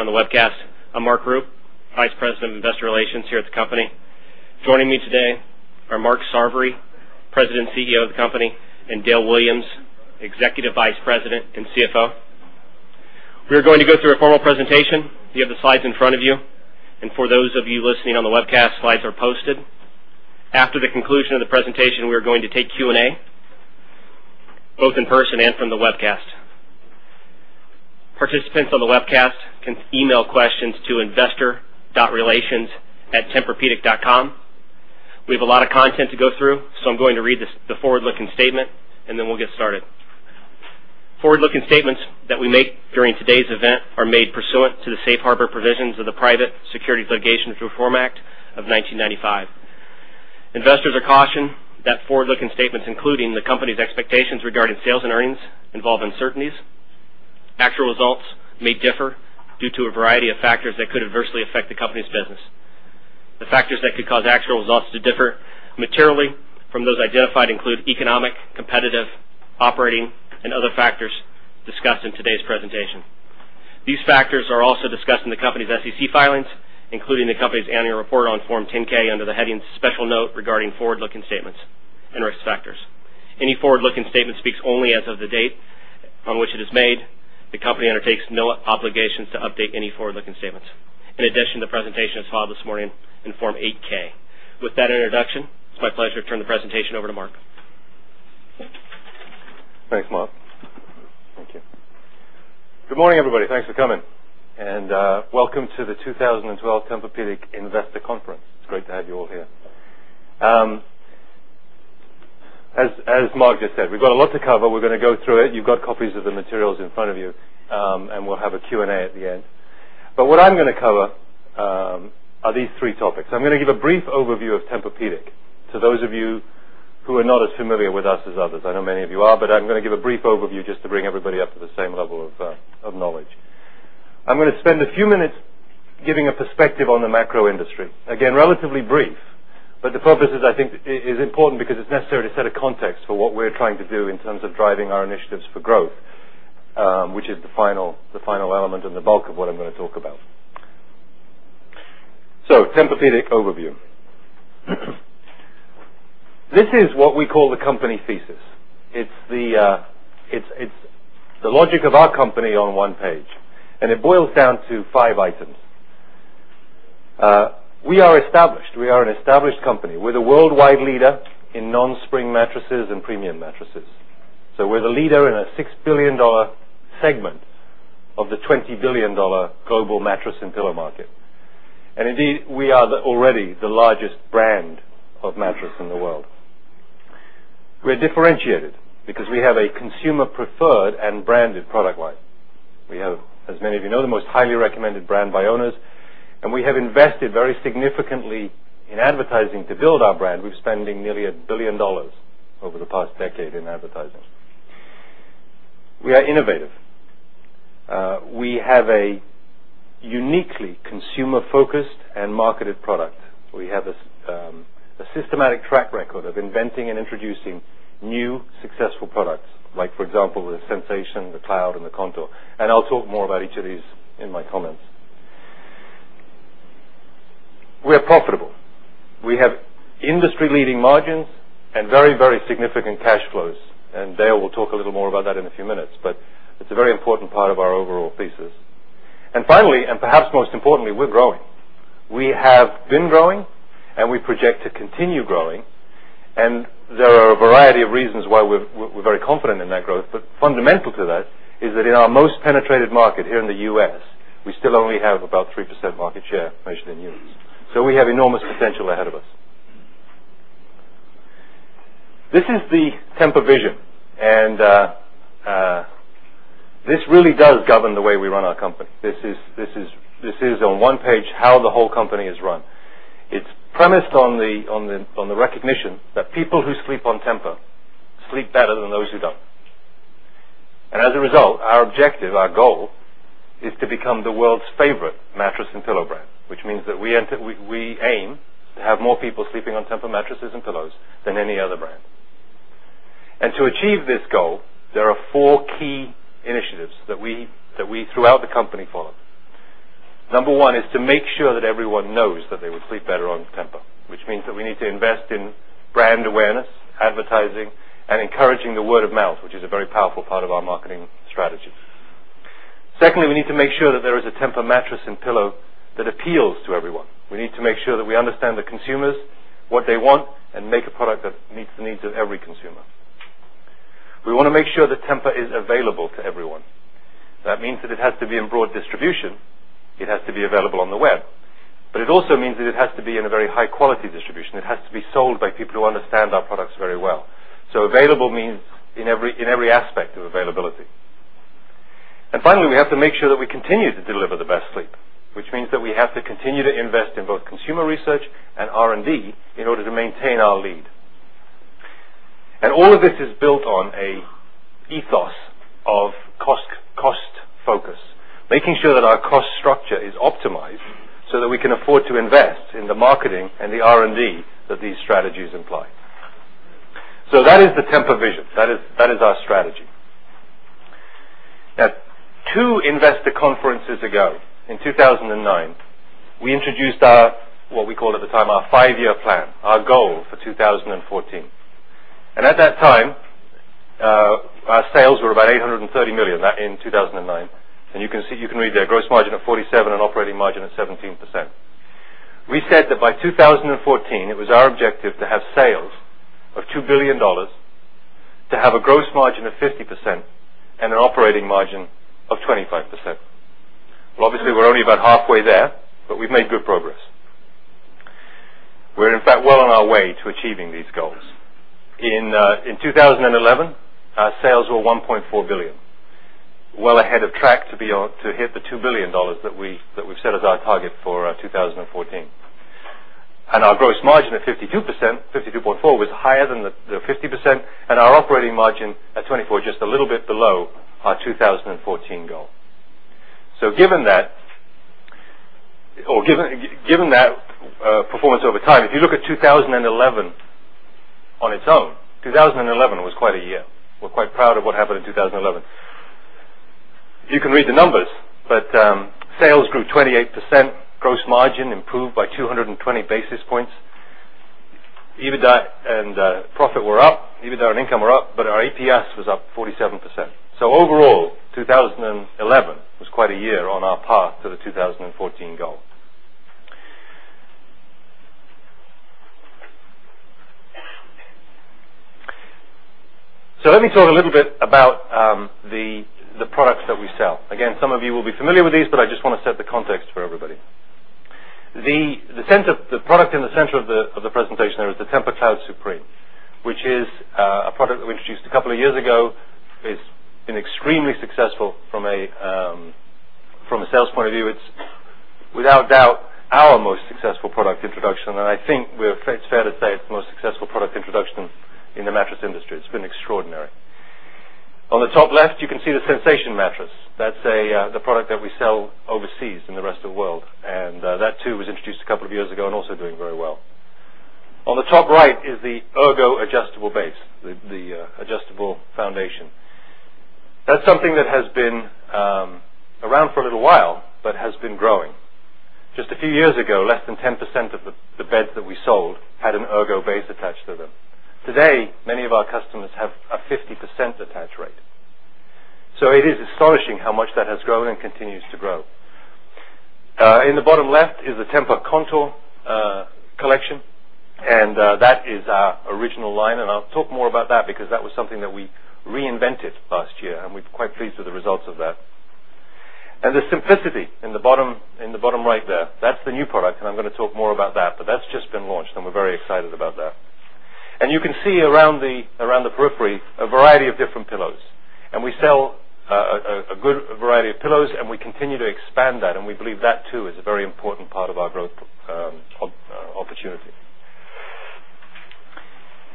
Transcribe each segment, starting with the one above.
On the webcast, I'm Mark Rubin, Vice President of Investor Relations here at the company. Joining me today are Mark Sarvary, President and CEO of the company, and Dale Williams, Executive Vice President and CFO. We're going to go through a formal presentation. You have the slides in front of you, and for those of you listening on the webcast, slides are posted. After the conclusion of the presentation, we're going to take Q&A, both in person and from the webcast. Participants on the webcast can email questions to investor.relations@tempurpedic.com. We have a lot of content to go through, so I'm going to read the forward-looking statement, and then we'll get started. Forward-looking statements that we make during today's event are made pursuant to the safe harbor provisions of the Private Securities Litigation Reform Act of 1995. Investors are cautioned that forward-looking statements, including the company's expectations regarding sales and earnings, involve uncertainties. Actual results may differ due to a variety of factors that could adversely affect the company's business. The factors that could cause actual results to differ materially from those identified include economic, competitive, operating, and other factors discussed in today's presentation. These factors are also discussed in the company's SEC filings, including the company's annual report on Form 10-K under the heading "Special Note Regarding Forward-Looking Statements and Risk Factors." Any forward-looking statement speaks only as of the date on which it is made. The company undertakes no obligations to update any forward-looking statements. In addition, the presentation is filed this morning in Form 8-K. With that introduction, it's my pleasure to turn the presentation over to Mark. Thank you, Mark. Thank you. Good morning, everybody. Thanks for coming. Welcome to the 2012 Tempur-Pedic Investor Conference. It's great to have you all here. As Mark just said, we've got a lot to cover. We're going to go through it. You've got copies of the materials in front of you, and we'll have a Q&A at the end. What I'm going to cover are these three topics. I'm going to give a brief overview of Tempur-Pedic to those of you who are not as familiar with us as others. I know many of you are, but I'm going to give a brief overview just to bring everybody up to the same level of knowledge. I'm going to spend a few minutes giving a perspective on the macro industry. Again, relatively brief, but the purpose is, I think, it is important because it's necessary to set a context for what we're trying to do in terms of driving our initiatives for growth, which is the final element and the bulk of what I'm going to talk about. Tempur-Pedic overview. This is what we call the company thesis. It's the logic of our company on one page, and it boils down to five items. We are established. We are an established company. We're the worldwide leader in non-spring mattresses and premium mattresses. We're the leader in a $6 billion segment of the $20 billion global mattress and pillow market. Indeed, we are already the largest brand of mattress in the world. We're differentiated because we have a consumer-preferred and branded product line. We have, as many of you know, the most highly recommended brand by owners, and we have invested very significantly in advertising to build our brand. We're spending nearly $1 billion over the past decade in advertising. We are innovative. We have a uniquely consumer-focused and marketed product. We have a systematic track record of inventing and introducing new successful products, like, for example, the Sensation, the Cloud, and the Contour. I'll talk more about each of these in my comments. We're profitable. We have industry-leading margins and very, very significant cash flows. Dale will talk a little more about that in a few minutes, but it's a very important part of our overall thesis. Finally, and perhaps most importantly, we're growing. We have been growing, and we project to continue growing. There are a variety of reasons why we're very confident in that growth. Fundamental to that is that in our most penetrated market here in the U.S., we still only have about 3% market share, measured in units. We have enormous potential ahead of us. This is the Tempur vision, and this really does govern the way we run our company. This is, on one page, how the whole company is run. It's premised on the recognition that people who sleep on Tempur sleep better than those who don't. As a result, our objective, our goal, is to become the world's favorite mattress and pillow brand, which means that we aim to have more people sleeping on Tempur mattresses and pillows than any other brand. To achieve this goal, there are four key initiatives that we, throughout the company, follow. Number one is to make sure that everyone knows that they would sleep better on Tempur, which means that we need to invest in brand awareness, advertising, and encouraging the word of mouth, which is a very powerful part of our marketing strategy. Secondly, we need to make sure that there is a Tempur mattress and pillow that appeals to everyone. We need to make sure that we understand the consumers, what they want, and make a product that meets the needs of every consumer. We want to make sure that Tempur is available to everyone. That means that it has to be in broad distribution. It has to be available on the web. It also means that it has to be in a very high-quality distribution. It has to be sold by people who understand our products very well. Available means in every aspect of availability. Finally, we have to make sure that we continue to deliver the best sleep, which means that we have to continue to invest in both consumer research and R&D in order to maintain our lead. All of this is built on an ethos of cost focus, making sure that our cost structure is optimized so that we can afford to invest in the marketing and the R&D that these strategies imply. That is the Tempur vision. That is our strategy. At two Investor Conferences ago, in 2009, we introduced what we called at the time our five-year plan, our goal for 2014. At that time, our sales were about $830 million in 2009. You can see, you can read there, gross margin at 47% and operating margin at 17%. We said that by 2014, it was our objective to have sales of $2 billion, to have a gross margin of 50%, and an operating margin of 25%. Obviously, we're only about halfway there, but we've made good progress. We're, in fact, well on our way to achieving these goals. In 2011, our sales were $1.4 billion, well ahead of track to hit the $2 billion that we've set as our target for 2014. Our gross margin of 52%, 52.4%, was higher than the 50%, and our operating margin at 24%, just a little bit below our 2014 goal. Given that performance over time, if you look at 2011 on its own, 2011 was quite a year. We're quite proud of what happened in 2011. You can read the numbers, but sales grew 28%, gross margin improved by 220 basis points. EBITDA and profit were up. EBITDA and income were up, but our EPS was up 47%. Overall, 2011 was quite a year on our path to the 2014 goal. Let me talk a little bit about the products that we sell. Some of you will be familiar with these, but I just want to set the context for everybody. The product in the center of the presentation there is the TEMPUR-Cloud Supreme, which is a product that we introduced a couple of years ago. It's been extremely successful from a sales point of view. It's, without doubt, our most successful product introduction. I think we're fair to say it's the most successful product introduction in the mattress industry. It's been extraordinary. On the top left, you can see the Sensation mattress. That's the product that we sell overseas in the rest of the world. That, too, was introduced a couple of years ago and also doing very well. On the top right is the Ergo adjustable base, the adjustable foundation. That's something that has been around for a little while, but has been growing. Just a few years ago, less than 10% of the beds that we sold had an Ergo base attached to them. Today, many of our customers have a 50% attach rate. It is astonishing how much that has grown and continues to grow. In the bottom left is the TEMPUR-Contour collection, and that is our original line. I'll talk more about that because that was something that we reinvented last year, and we're quite pleased with the results of that. The Simplicity in the bottom right there, that's the new product, and I'm going to talk more about that. That's just been launched, and we're very excited about that. You can see around the periphery a variety of different pillows. We sell a good variety of pillows, and we continue to expand that. We believe that, too, is a very important part of our growth opportunity.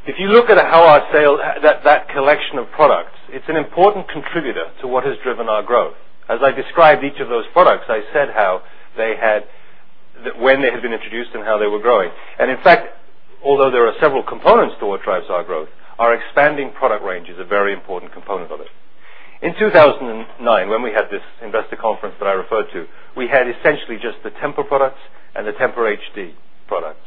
If you look at how our sales, that collection of products, it's an important contributor to what has driven our growth. As I described each of those products, I said when they had been introduced and how they were growing. Although there are several components to what drives our growth, our expanding product range is a very important component of it. In 2009, when we had this Investor Conference that I referred to, we had essentially just the Tempur products and the Tempur HD products.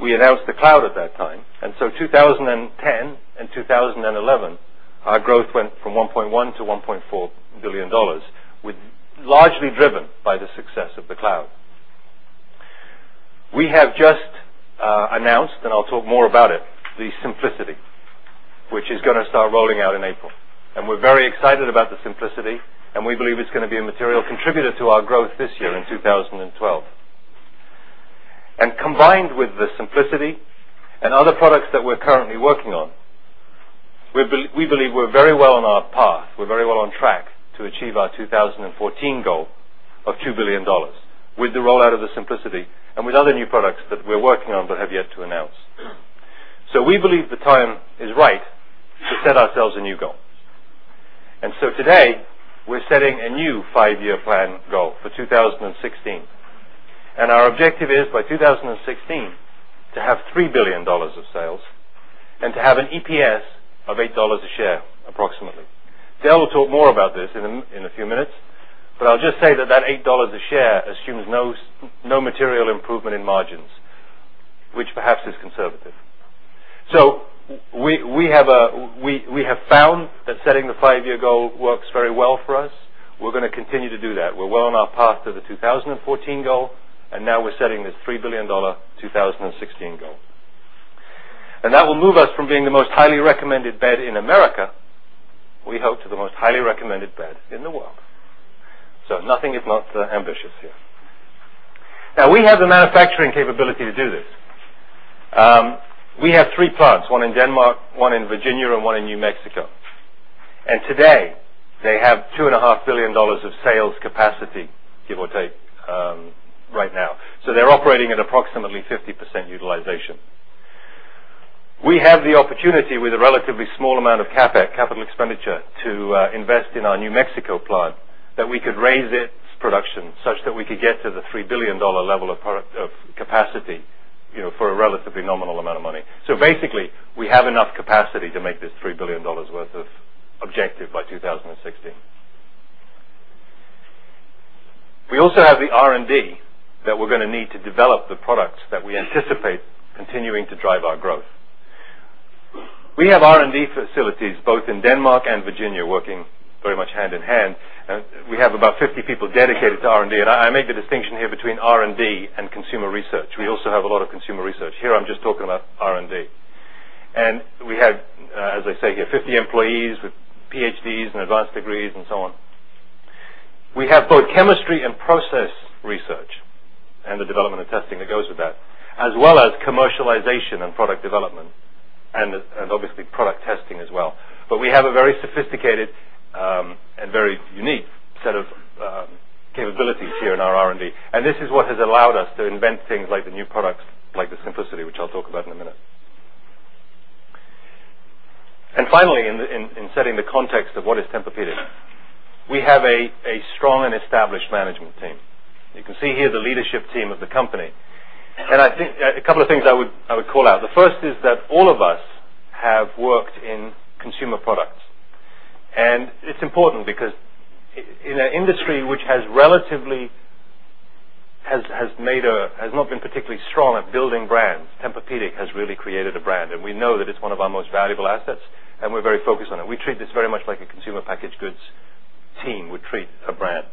We announced the Cloud at that time. In 2010 and 2011, our growth went from $1.1 billion to $1.4 billion, largely driven by the success of the Cloud. We have just announced, and I'll talk more about it, the Simplicity, which is going to start rolling out in April. We're very excited about the Simplicity, and we believe it's going to be a material contributor to our growth this year in 2012. Combined with the Simplicity and other products that we're currently working on, we believe we're very well on our path. We're very well on track to achieve our 2014 goal of $2 billion with the rollout of the Simplicity and with other new products that we're working on but have yet to announce. We believe the time is right to set ourselves a new goal. Today, we're setting a new five-year plan goal for 2016. Our objective is by 2016 to have $3 billion of sales and to have an EPS of $8 a share, approximately. Dale will talk more about this in a few minutes, but I'll just say that that $8 a share assumes no material improvement in margins, which perhaps is conservative. We have found that setting the five-year goal works very well for us. We're going to continue to do that. We're well on our path to the 2014 goal, and now we're setting this $3 billion 2016 goal. That will move us from being the most highly recommended bed in America, we hope, to the most highly recommended bed in the world. Nothing is not ambitious here. We have the manufacturing capability to do this. We have three plants, one in Denmark, one in Virginia, and one in New Mexico. Today, they have $2.5 billion of sales capacity, give or take, right now. They're operating at approximately 50% utilization. We have the opportunity, with a relatively small amount of capital expenditure, to invest in our New Mexico plant that we could raise its production such that we could get to the $3 billion level of capacity for a relatively nominal amount of money. Basically, we have enough capacity to make this $3 billion worth of objective by 2016. We also have the R&D that we're going to need to develop the products that we anticipate continuing to drive our growth. We have R&D facilities both in Denmark and Virginia working very much hand in hand. We have about 50 people dedicated to R&D. I make the distinction here between R&D and consumer research. We also have a lot of consumer research. Here, I'm just talking about R&D. We have, as I say here, 50 employees with PhDs and advanced degrees and so on. We have both chemistry and process research and the development and testing that goes with that, as well as commercialization and product development and, obviously, product testing as well. We have a very sophisticated and very unique set of capabilities here in our R&D. This is what has allowed us to invent things like the new products like the Simplicity, which I'll talk about in a minute. Finally, in setting the context of what is Tempur-Pedic, we have a strong and established management team. You can see here the leadership team of the company. I think a couple of things I would call out. The first is that all of us have worked in consumer products. It's important because in an industry which has not been particularly strong at building brands, Tempur-Pedic has really created a brand. We know that it's one of our most valuable assets, and we're very focused on it. We treat this very much like a consumer packaged goods team would treat a brand.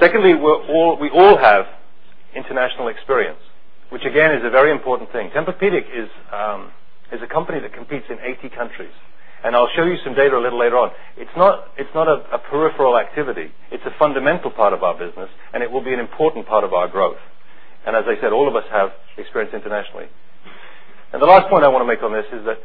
Secondly, we all have international experience, which, again, is a very important thing. Tempur-Pedic is a company that competes in 80 countries. I'll show you some data a little later on. It's not a peripheral activity. It's a fundamental part of our business, and it will be an important part of our growth. As I said, all of us have experience internationally. The last point I want to make on this is that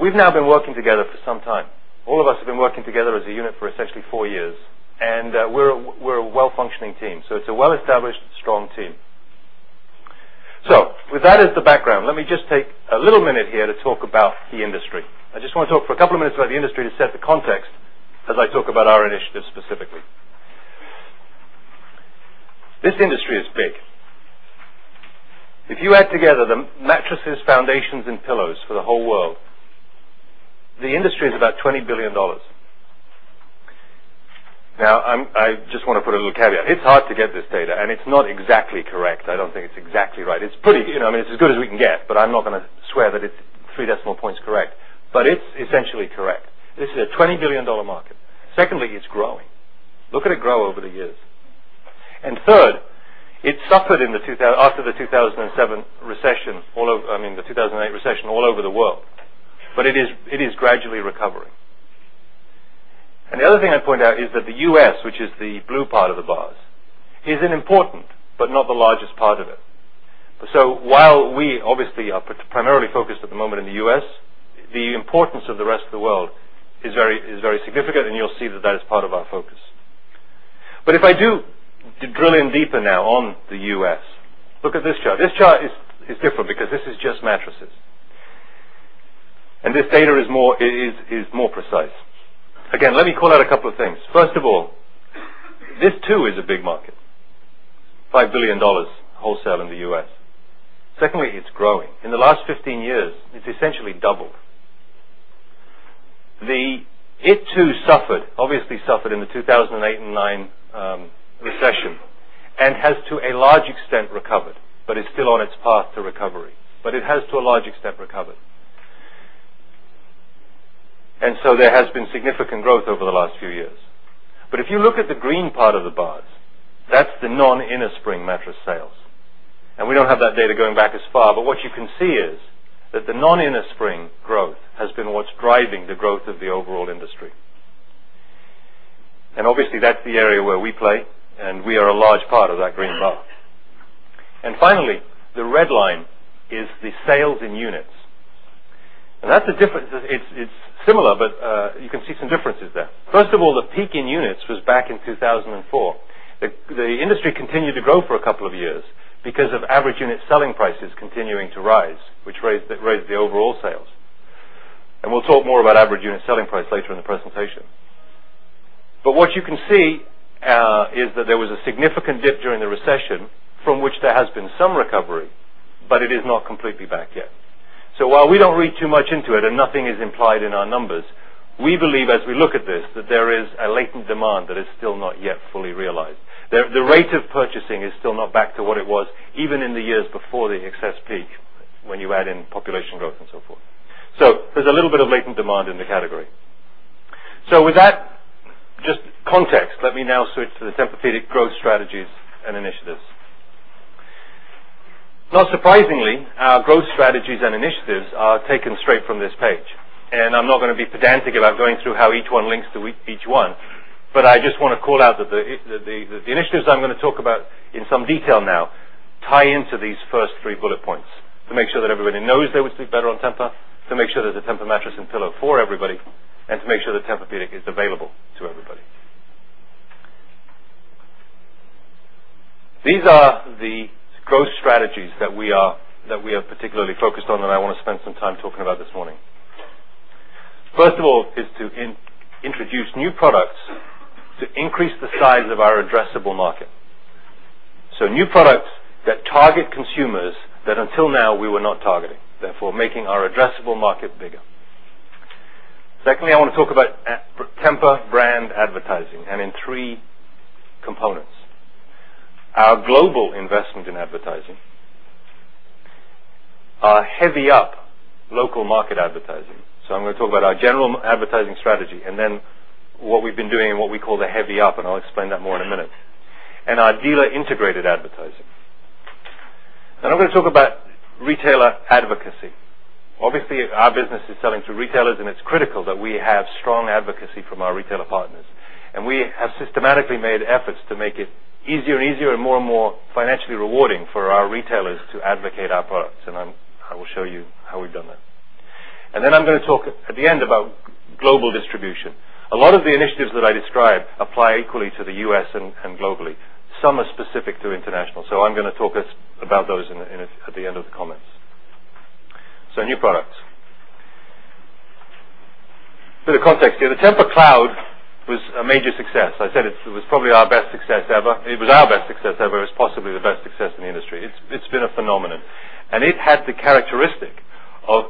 we've now been working together for some time. All of us have been working together as a unit for essentially four years, and we're a well-functioning team. It's a well-established, strong team. With that as the background, let me just take a little minute here to talk about the industry. I just want to talk for a couple of minutes about the industry to set the context as I talk about our initiative specifically. This industry is big. If you add together the mattresses, foundations, and pillows for the whole world, the industry is about $20 billion. I just want to put a little caveat. It's hard to get this data, and it's not exactly correct. I don't think it's exactly right. It's pretty, you know, I mean, it's as good as we can get, but I'm not going to swear that it's three decimal points correct. It's essentially correct. This is a $20 billion market. Secondly, it's growing. Look at it grow over the years. It suffered after the 2007 recession, I mean, the 2008 recession all over the world. It is gradually recovering. The other thing I'd point out is that the U.S., which is the blue part of the bars, is an important but not the largest part of it. While we obviously are primarily focused at the moment in the U.S., the importance of the rest of the world is very significant, and you'll see that is part of our focus. If I do drill in deeper now on the U.S., look at this chart. This chart is different because this is just mattresses. This data is more precise. Again, let me call out a couple of things. First of all, this, too, is a big market, $5 billion wholesale in the U.S. Secondly, it's growing. In the last 15 years, it's essentially doubled. It, too, suffered, obviously suffered in the 2008 and 2009 recession and has, to a large extent, recovered, but it's still on its path to recovery. It has, to a large extent, recovered. There has been significant growth over the last few years. If you look at the green part of the bars, that's the non-innerspring mattress sales. We don't have that data going back as far, but what you can see is that the non-innerspring growth has been what's driving the growth of the overall industry. Obviously, that's the area where we play, and we are a large part of that green bar. Finally, the red line is the sales in units. That's a difference. It's similar, but you can see some differences there. First of all, the peak in units was back in 2004. The industry continued to grow for a couple of years because of average unit selling prices continuing to rise, which raised the overall sales. We'll talk more about average unit selling price later in the presentation. What you can see is that there was a significant dip during the recession from which there has been some recovery, but it is not completely back yet. While we don't read too much into it and nothing is implied in our numbers, we believe, as we look at this, that there is a latent demand that is still not yet fully realized. The rate of purchasing is still not back to what it was even in the years before the excess peak when you add in population growth and so forth. There's a little bit of latent demand in the category. With that context, let me now switch to the Tempur-Pedic growth strategies and initiatives. Not surprisingly, our growth strategies and initiatives are taken straight from this page. I'm not going to be pedantic about going through how each one links to each one, but I just want to call out that the initiatives I'm going to talk about in some detail now tie into these first three bullet points: to make sure that everybody knows they would sleep better on Tempur, to make sure there's a Tempur mattress and pillow for everybody, and to make sure that Tempur-Pedic is available to everybody. These are the growth strategies that we are particularly focused on, and I want to spend some time talking about this morning. First of all, is to introduce new products to increase the size of our addressable market. New products that target consumers that until now we were not targeting, therefore making our addressable market bigger. Secondly, I want to talk about Tempur brand advertising and in three components. Our global investment in advertising, our heavy up local market advertising. I'm going to talk about our general advertising strategy and then what we've been doing and what we call the heavy up, and I'll explain that more in a minute. Our dealer-integrated advertising. I'm going to talk about retailer advocacy. Obviously, our business is selling to retailers, and it's critical that we have strong advocacy from our retailer partners. We have systematically made efforts to make it easier and easier and more and more financially rewarding for our retailers to advocate our products. I will show you how we've done that. I'm going to talk at the end about global distribution. A lot of the initiatives that I describe apply equally to the U.S. and globally. Some are specific to international. I'm going to talk about those at the end of the comments. New products. For the context here, the TEMPUR-Cloud was a major success. I said it was probably our best success ever. It was our best success ever. It was possibly the best success in the industry. It's been a phenomenon. It had the characteristic of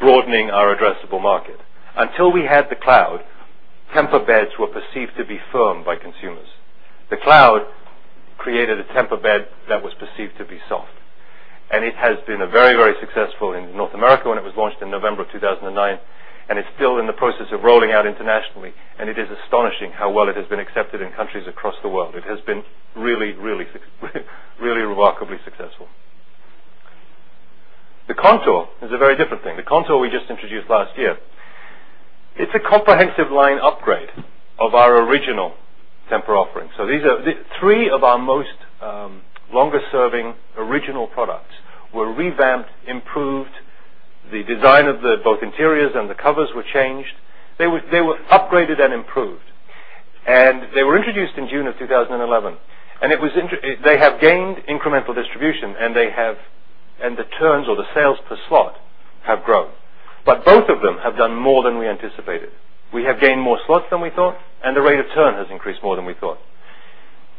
broadening our addressable market. Until we had the Cloud, Tempur beds were perceived to be firm by consumers. The Cloud created a Tempur bed that was perceived to be soft. It has been very, very successful in North America when it was launched in November 2009, and it's still in the process of rolling out internationally. It is astonishing how well it has been accepted in countries across the world. It has been really, really, really remarkably successful. The Contour is a very different thing. The Contour we just introduced last year, it's a comprehensive line upgrade of our original Tempur offering. These are three of our most longer-serving original products. We're revamped, improved. The design of both interiors and the covers were changed. They were upgraded and improved. They were introduced in June 2011. They have gained incremental distribution, and the turns or the sales per slot have grown. Both of them have done more than we anticipated. We have gained more slots than we thought, and the rate of turn has increased more than we thought.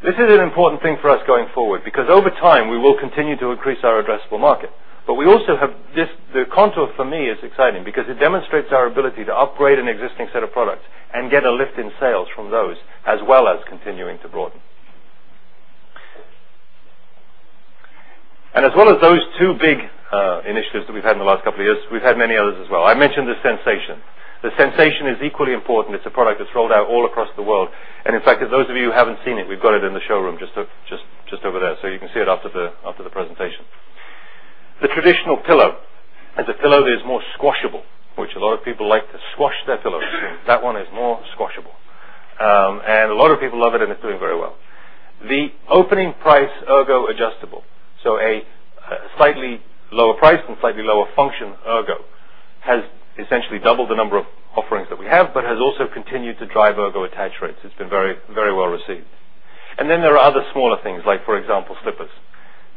This is an important thing for us going forward because over time, we will continue to increase our addressable market. We also have this, the Contour for me is exciting because it demonstrates our ability to upgrade an existing set of products and get a lift in sales from those, as well as continuing to broaden. As well as those two big initiatives that we've had in the last couple of years, we've had many others as well. I mentioned the Sensation. The Sensation is equally important. It's a product that's rolled out all across the world. In fact, for those of you who haven't seen it, we've got it in the showroom just over there. You can see it after the presentation. The traditional pillow is a pillow that is more squashable, which a lot of people like to squash their pillows. That one is more squashable. A lot of people love it, and it's doing very well. The opening price Ergo adjustable, so a slightly lower price and slightly lower function Ergo, has essentially doubled the number of offerings that we have, but has also continued to drive Ergo attach rates. It's been very, very well received. There are other smaller things, like for example, slippers.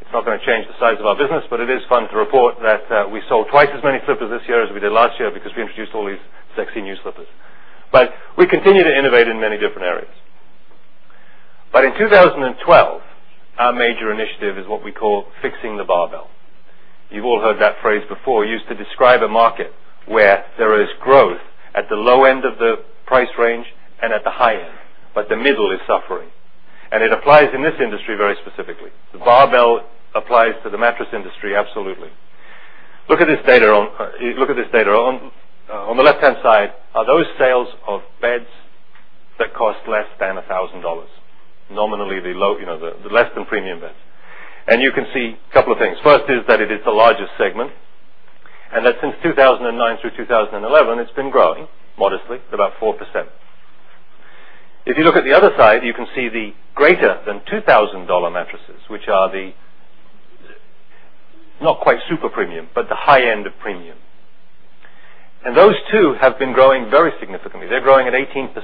It's not going to change the size of our business, but it is fun to report that we sold twice as many slippers this year as we did last year because we introduced all these sexy new slippers. We continue to innovate in many different areas. In 2012, our major initiative is what we call fixing the barbell. You've all heard that phrase before, used to describe a market where there is growth at the low end of the price range and at the high end, but the middle is suffering. It applies in this industry very specifically. The barbell applies to the mattress industry absolutely. Look at this data. On the left-hand side are those sales of beds that cost less than $1,000, nominally the less than premium beds. You can see a couple of things. First is that it's the largest segment and that since 2009 through 2011, it's been growing modestly, about 4%. If you look at the other side, you can see the greater than $2,000 mattresses, which are the not quite super premium, but the high end of premium. Those too have been growing very significantly. They're growing at 18%.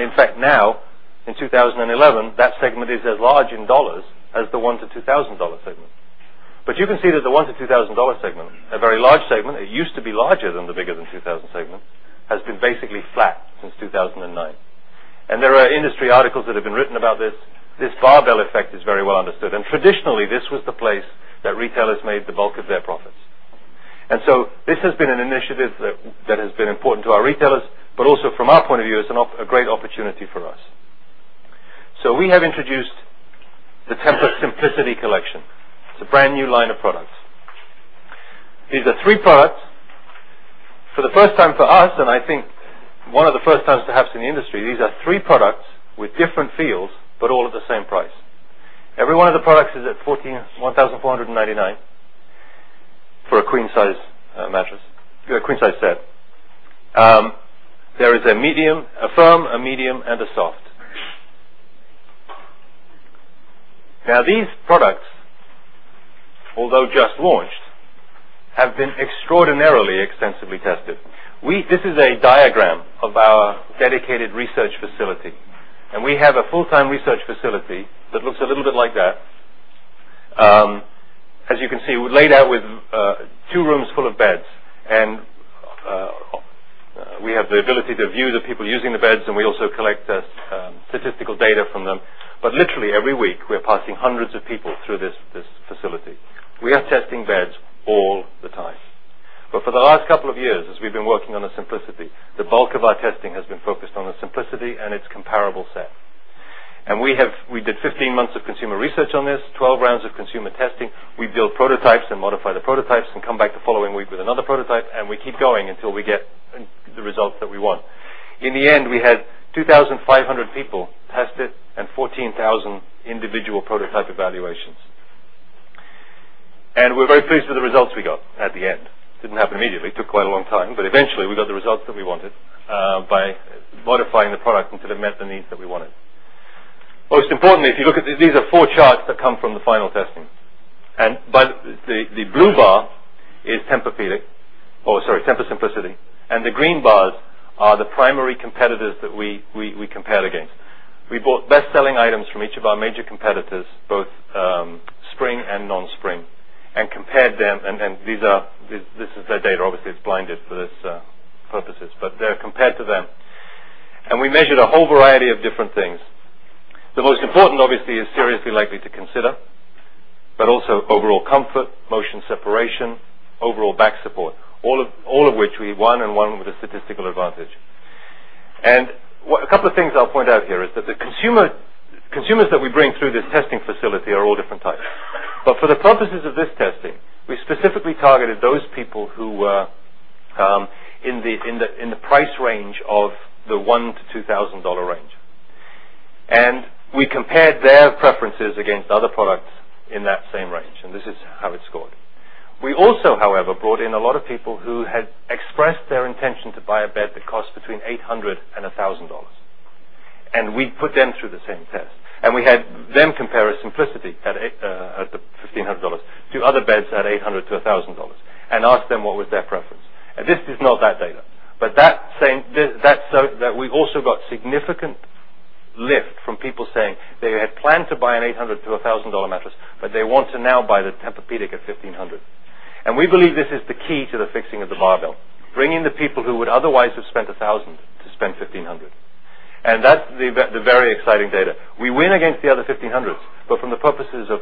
In fact, now in 2011, that segment is as large in dollars as the $1,000-$2,000 segment. You can see that the $1,000-$2,000 segment, a very large segment, it used to be larger than the greater than $2,000 segment, has been basically flat since 2009. There are industry articles that have been written about this. This barbell effect is very well understood. Traditionally, this was the place that retailers made the bulk of their profits. This has been an initiative that has been important to our retailers, but also from our point of view, it's a great opportunity for us. We have introduced the TEMPUR-Simplicity collection, the brand new line of products. These are three products. For the first time for us, and I think one of the first times perhaps in the industry, these are three products with different feels, but all at the same price. Every one of the products is at $1,499 for a queen-size mattress, a queen-size set. There is a medium, a firm, a medium, and a soft. These products, although just launched, have been extraordinarily extensively tested. This is a diagram of our dedicated research facility. We have a full-time research facility that looks a little bit like that. As you can see, we're laid out with two rooms full of beds. We have the ability to view the people using the beds, and we also collect statistical data from them. Literally, every week, we're passing hundreds of people through this facility. We are testing beds all the time. For the last couple of years, as we've been working on a Simplicity, the bulk of our testing has been focused on a Simplicity and its comparable set. We did 15 months of consumer research on this, 12 rounds of consumer testing. We built prototypes and modified the prototypes, came back the following week with another prototype, and kept going until we got the results that we want. In the end, we had 2,500 people test it and 14,000 individual prototype evaluations. We're very pleased with the results we got at the end. It didn't happen immediately. It took quite a long time, but eventually, we got the results that we wanted by modifying the product until it met the needs that we wanted. Most importantly, if you look at these, these are four charts that come from the final testing. The blue bar is TEMPUR-Simplicity, and the green bars are the primary competitors that we compared against. We bought best-selling items from each of our major competitors, both spring and non-spring, and compared them. This is their data. Obviously, it's blinded for these purposes, but they're compared to them. We measured a whole variety of different things. The most important, obviously, is seriously likely to consider, but also overall comfort, motion separation, overall back support, all of which we won and won with a statistical advantage. A couple of things I'll point out here is that the consumers that we bring through this testing facility are all different types. For the purposes of this testing, we specifically targeted those people who were in the price range of the $1,000-$2,000 range. We compared their preferences against other products in that same range, and this is how it scored. We also, however, brought in a lot of people who had expressed their intention to buy a bed that cost between $800 and $1,000. We put them through the same test. We had them compare a Simplicity at the $1,500 to other beds at $800-$1,000 and asked them what was their preference. This is not that data, but we also got significant lift from people saying they had planned to buy an $800-$1,000 mattress, but they want to now buy the Tempur-Pedic at $1,500. We believe this is the key to the fixing of the barbell market effect, bringing the people who would otherwise have spent $1,000 to spend $1,500. That's the very exciting data. We win against the other $1,500. From the purposes of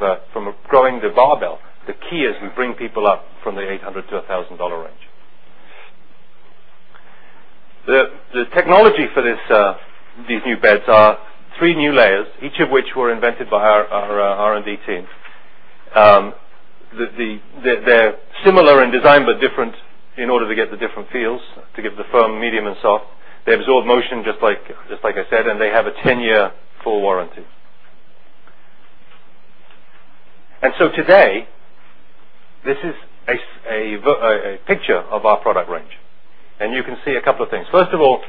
growing the barbell, the key is we bring people up from the $800-$1,000 range. The technology for these new beds are three new layers, each of which were invented by our R&D team. They're similar in design, but different in order to get the different feels, to give the firm, medium, and soft. They absorb motion, just like I said, and they have a 10-year full warranty. This is a picture of our product range. You can see a couple of things. First of all,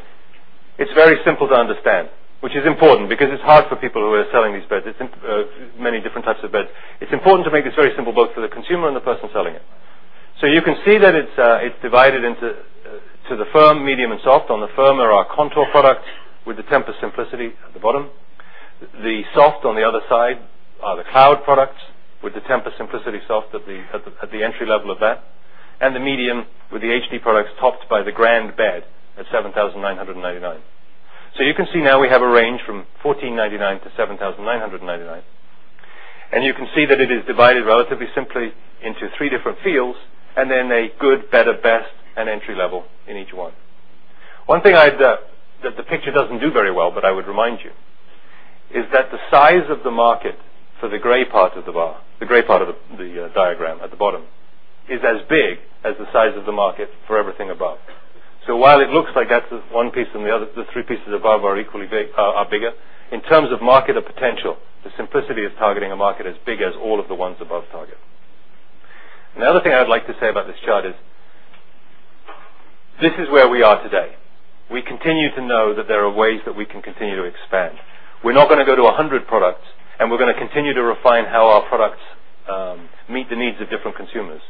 it's very simple to understand, which is important because it's hard for people who are selling these beds, many different types of beds. It's important to make this very simple, both for the consumer and the person selling it. You can see that it's divided into the firm, medium, and soft. On the firm are our Contour products with the TEMPUR-Simplicity at the bottom. The soft on the other side are the Cloud products with the TEMPUR-Simplicity soft at the entry level of that. The medium with the HD products topped by the GrandBed at $7,999. You can see now we have a range from $1,499-$7,999. You can see that it is divided relatively simply into three different fields and then a good, better, best, and entry level in each one. One thing that the picture doesn't do very well, but I would remind you, is that the size of the market for the gray part of the bar, the gray part of the diagram at the bottom, is as big as the size of the market for everything above. While it looks like that's one piece and the other the three pieces above are bigger, in terms of market potential, the Simplicity is targeting a market as big as all of the ones above target. The other thing I'd like to say about this chart is this is where we are today. We continue to know that there are ways that we can continue to expand. We're not going to go to 100 products, and we're going to continue to refine how our products meet the needs of different consumers.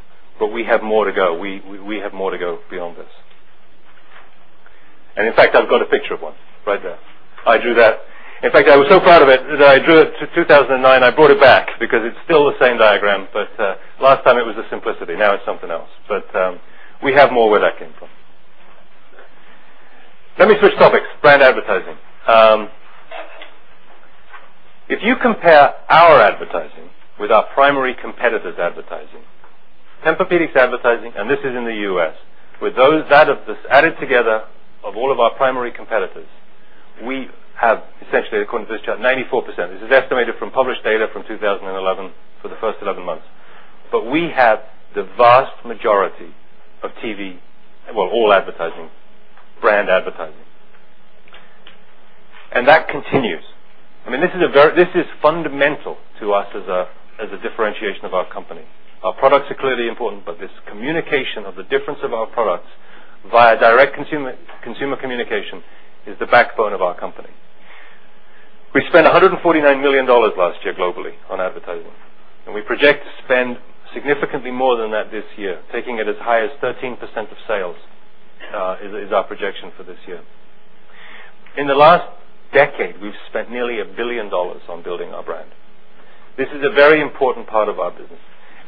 We have more to go. We have more to go beyond this. In fact, I've got a picture of one right there. I drew that. I was so proud of it that I drew it in 2009. I brought it back because it's still the same diagram, but last time it was a Simplicity. Now it's something else. We have more we're lacking from. Let me switch topics. Brand advertising. If you compare our advertising with our primary competitors' advertising, Tempur-Pedic's advertising, and this is in the U.S., with those added together of all of our primary competitors, we have essentially, according to this chart, 94%. This is estimated from published data from 2011 for the first 11 months. We have the vast majority of TV, all advertising, brand advertising. That continues. This is fundamental to us as a differentiation of our company. Our products are clearly important, but this communication of the difference of our products via direct consumer communication is the backbone of our company. We spent $149 million last year globally on advertisements. We project to spend significantly more than that this year, taking it as high as 13% of sales is our projection for this year. In the last decade, we've spent nearly $1 billion on building our brand. This is a very important part of our business.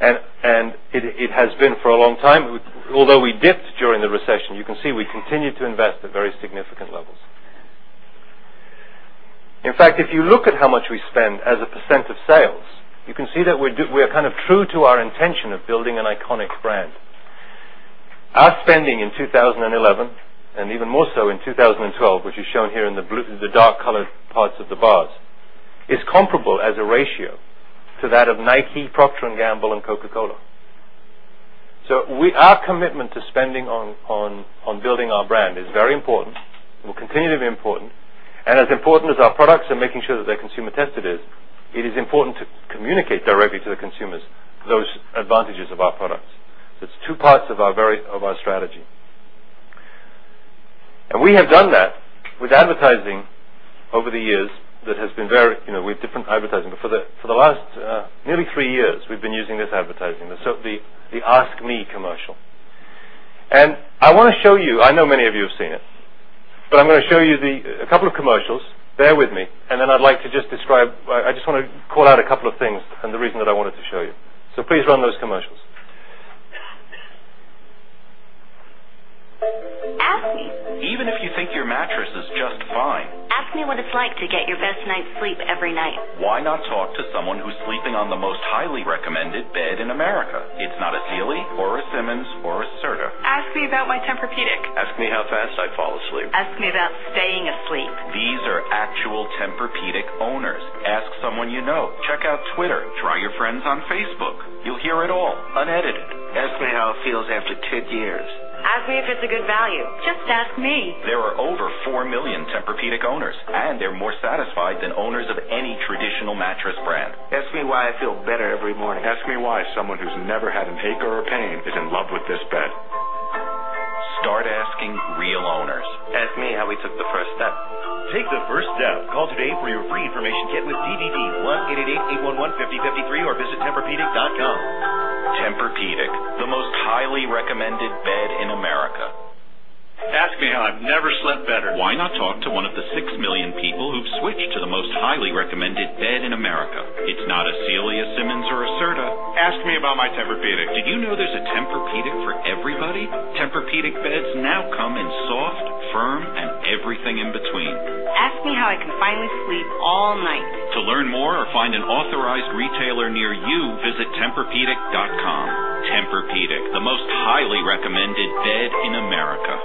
It has been for a long time. Although we dipped during the recession, you can see we continued to invest at very significant levels. In fact, if you look at how much we spend as a percent of sales, you can see that we are kind of true to our intention of building an iconic brand. Our spending in 2011, and even more so in 2012, which is shown here in the dark-colored parts of the bars, is comparable as a ratio to that of Nike, Procter & Gamble, and Coca-Cola. Our commitment to spending on building our brand is very important. It will continue to be important. As important as our products and making sure that they're consumer-tested is, it is important to communicate directly to the consumers those advantages of our products. It's two parts of our strategy. We have done that with advertising over the years that has been very, you know, we have different advertising. For the last nearly three years, we've been using this advertising, the Ask Me commercial. I want to show you, I know many of you have seen it, but I'm going to show you a couple of commercials. Bear with me. I'd like to just describe, I just want to call out a couple of things and the reason that I wanted to show you. Please run those commercials. Ask me. Even if you think your mattress is just fine. Ask me what it's like to get your best night's sleep every night. Why not talk to someone who's sleeping on the most highly recommended bed in America? It's not a Sealy or a Simmons or a Serta. Ask me about my Tempur-Pedic. Ask me how fast I fall asleep. Ask me about staying asleep. These are actual Tempur-Pedic owners. Ask someone you know. Check out Twitter. Try your friends on Facebook. You'll hear it all unedited. Ask me how it feels after two years. Ask me if it's a good value. Just ask me. There are over 4 million Tempur-Pedic owners, and they're more satisfied than owners of any traditional mattress brand. Ask me why I feel better every morning. Ask me why someone who's never had an ache or a pain is in love with this bed. Start asking real owners. Ask me how we took the first step. Take the first step. Call today for your free information kit with DDT, one eight eight eight eight one one fifty fifty three, or visit tempurpedic.com. Tempur-Pedic, the most highly recommended bed in America. Ask me how I've never slept better. Why not talk to one of the 6 million people who've switched to the most highly recommended bed in America? It's not a Sealy, a Simmons, or a Serta. Ask me about my Tempur-Pedic. Did you know there's a Tempur-Pedic for everybody? Tempur-Pedic beds now come in soft, firm, and everything in between. Ask me how I can finally sleep all night. To learn more or find an authorized retailer near you, visit tempurpedic.com. Tempur-Pedic, the most highly recommended bed in America.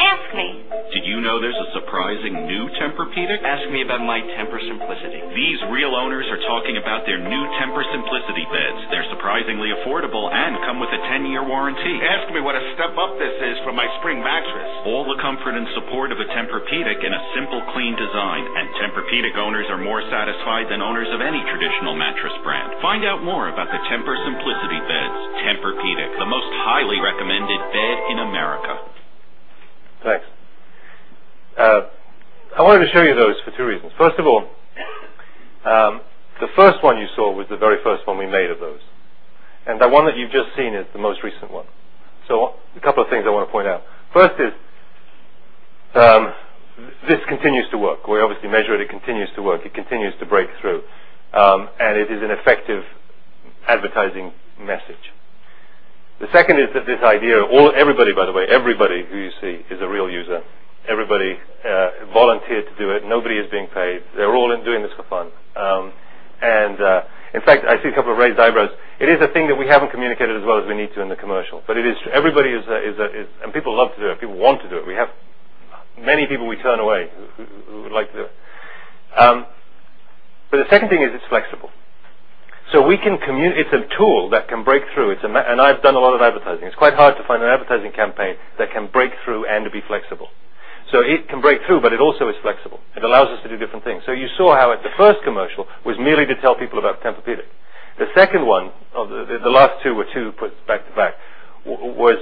Ask me. Did you know there's a surprising new Tempur-Pedic? Ask me about my TEMPUR-Simplicity. These real owners are talking about their new TEMPUR-Simplicity beds. They're surprisingly affordable and come with a 10-year warranty. Ask me what a step up this is from my spring mattress. All the comfort and support of a Tempur-Pedic in a simple, clean design. Tempur-Pedic owners are more satisfied than owners of any traditional mattress brand. Find out more about the TEMPUR-Simplicity beds. Tempur-Pedic, the most highly recommended bed in America. Thanks. I wanted to show you those for two reasons. First of all, the first one you saw was the very first one we made of those. The one that you've just seen is the most recent one. A couple of things I want to point out. First is this continues to work. We obviously measured it. It continues to work. It continues to break through. It is an effective advertising message. The second is that this idea, everybody, by the way, everybody who you see is a real user. Everybody volunteered to do it. Nobody is being paid. They're all in doing this for fun. In fact, I see a couple of raised eyebrows. It is a thing that we haven't communicated as well as we need to in the commercial. Everybody is, and people love to do it. People want to do it. We have many people we turn away who would like to do it. The second thing is it's flexible. We can communicate, it's a tool that can break through. I've done a lot of advertising. It's quite hard to find an advertising campaign that can break through and be flexible. It can break through, but it also is flexible. It allows us to do different things. You saw how the first commercial was merely to tell people about Tempur-Pedic. The second one, the last two were two puts back to back, was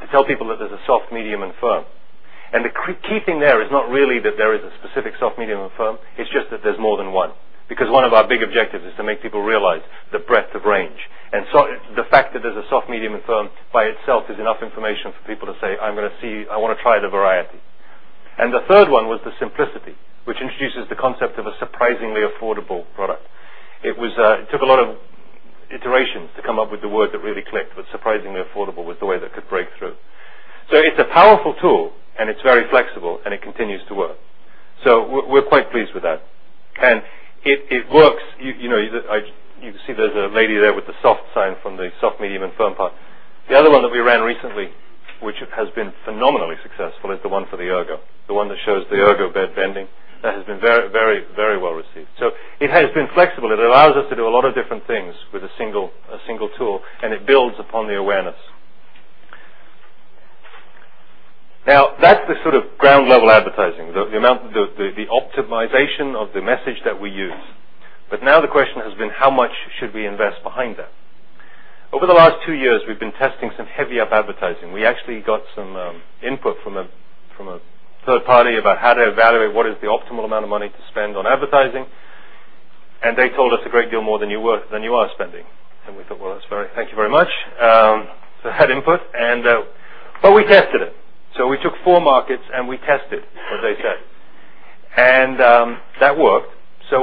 to tell people that there's a soft, medium, and firm. The key thing there is not really that there is a specific soft, medium, and firm. It's just that there's more than one. One of our big objectives is to make people realize the breadth of range. The fact that there's a soft, medium, and firm by itself is enough information for people to say, "I'm going to see, I want to try the variety." The third one was the Simplicity, which introduces the concept of a surprisingly affordable product. It took a lot of iterations to come up with the word that really clicked, but surprisingly affordable was the way that could break through. It's a powerful tool, and it's very flexible, and it continues to work. We're quite pleased with that. It works. You can see there's a lady there with the soft sign from the soft, medium, and firm part. The other one that we ran recently, which has been phenomenally successful, is the one for the Ergo, the one that shows the Ergo bed bending. That has been very, very, very well received. It has been flexible. It allows us to do a lot of different things with a single tool, and it builds upon the awareness. Now, that's the sort of ground-level advertising, the optimization of the message that we use. The question has been, how much should we invest behind that? Over the last two years, we've been testing some heavy-up advertising. We actually got some input from a third party about how to evaluate what is the optimal amount of money to spend on advertising. They told us a great deal more than you are spending. We thought, thank you very much for that input. We tested it. We took four markets and we tested what they said. That worked.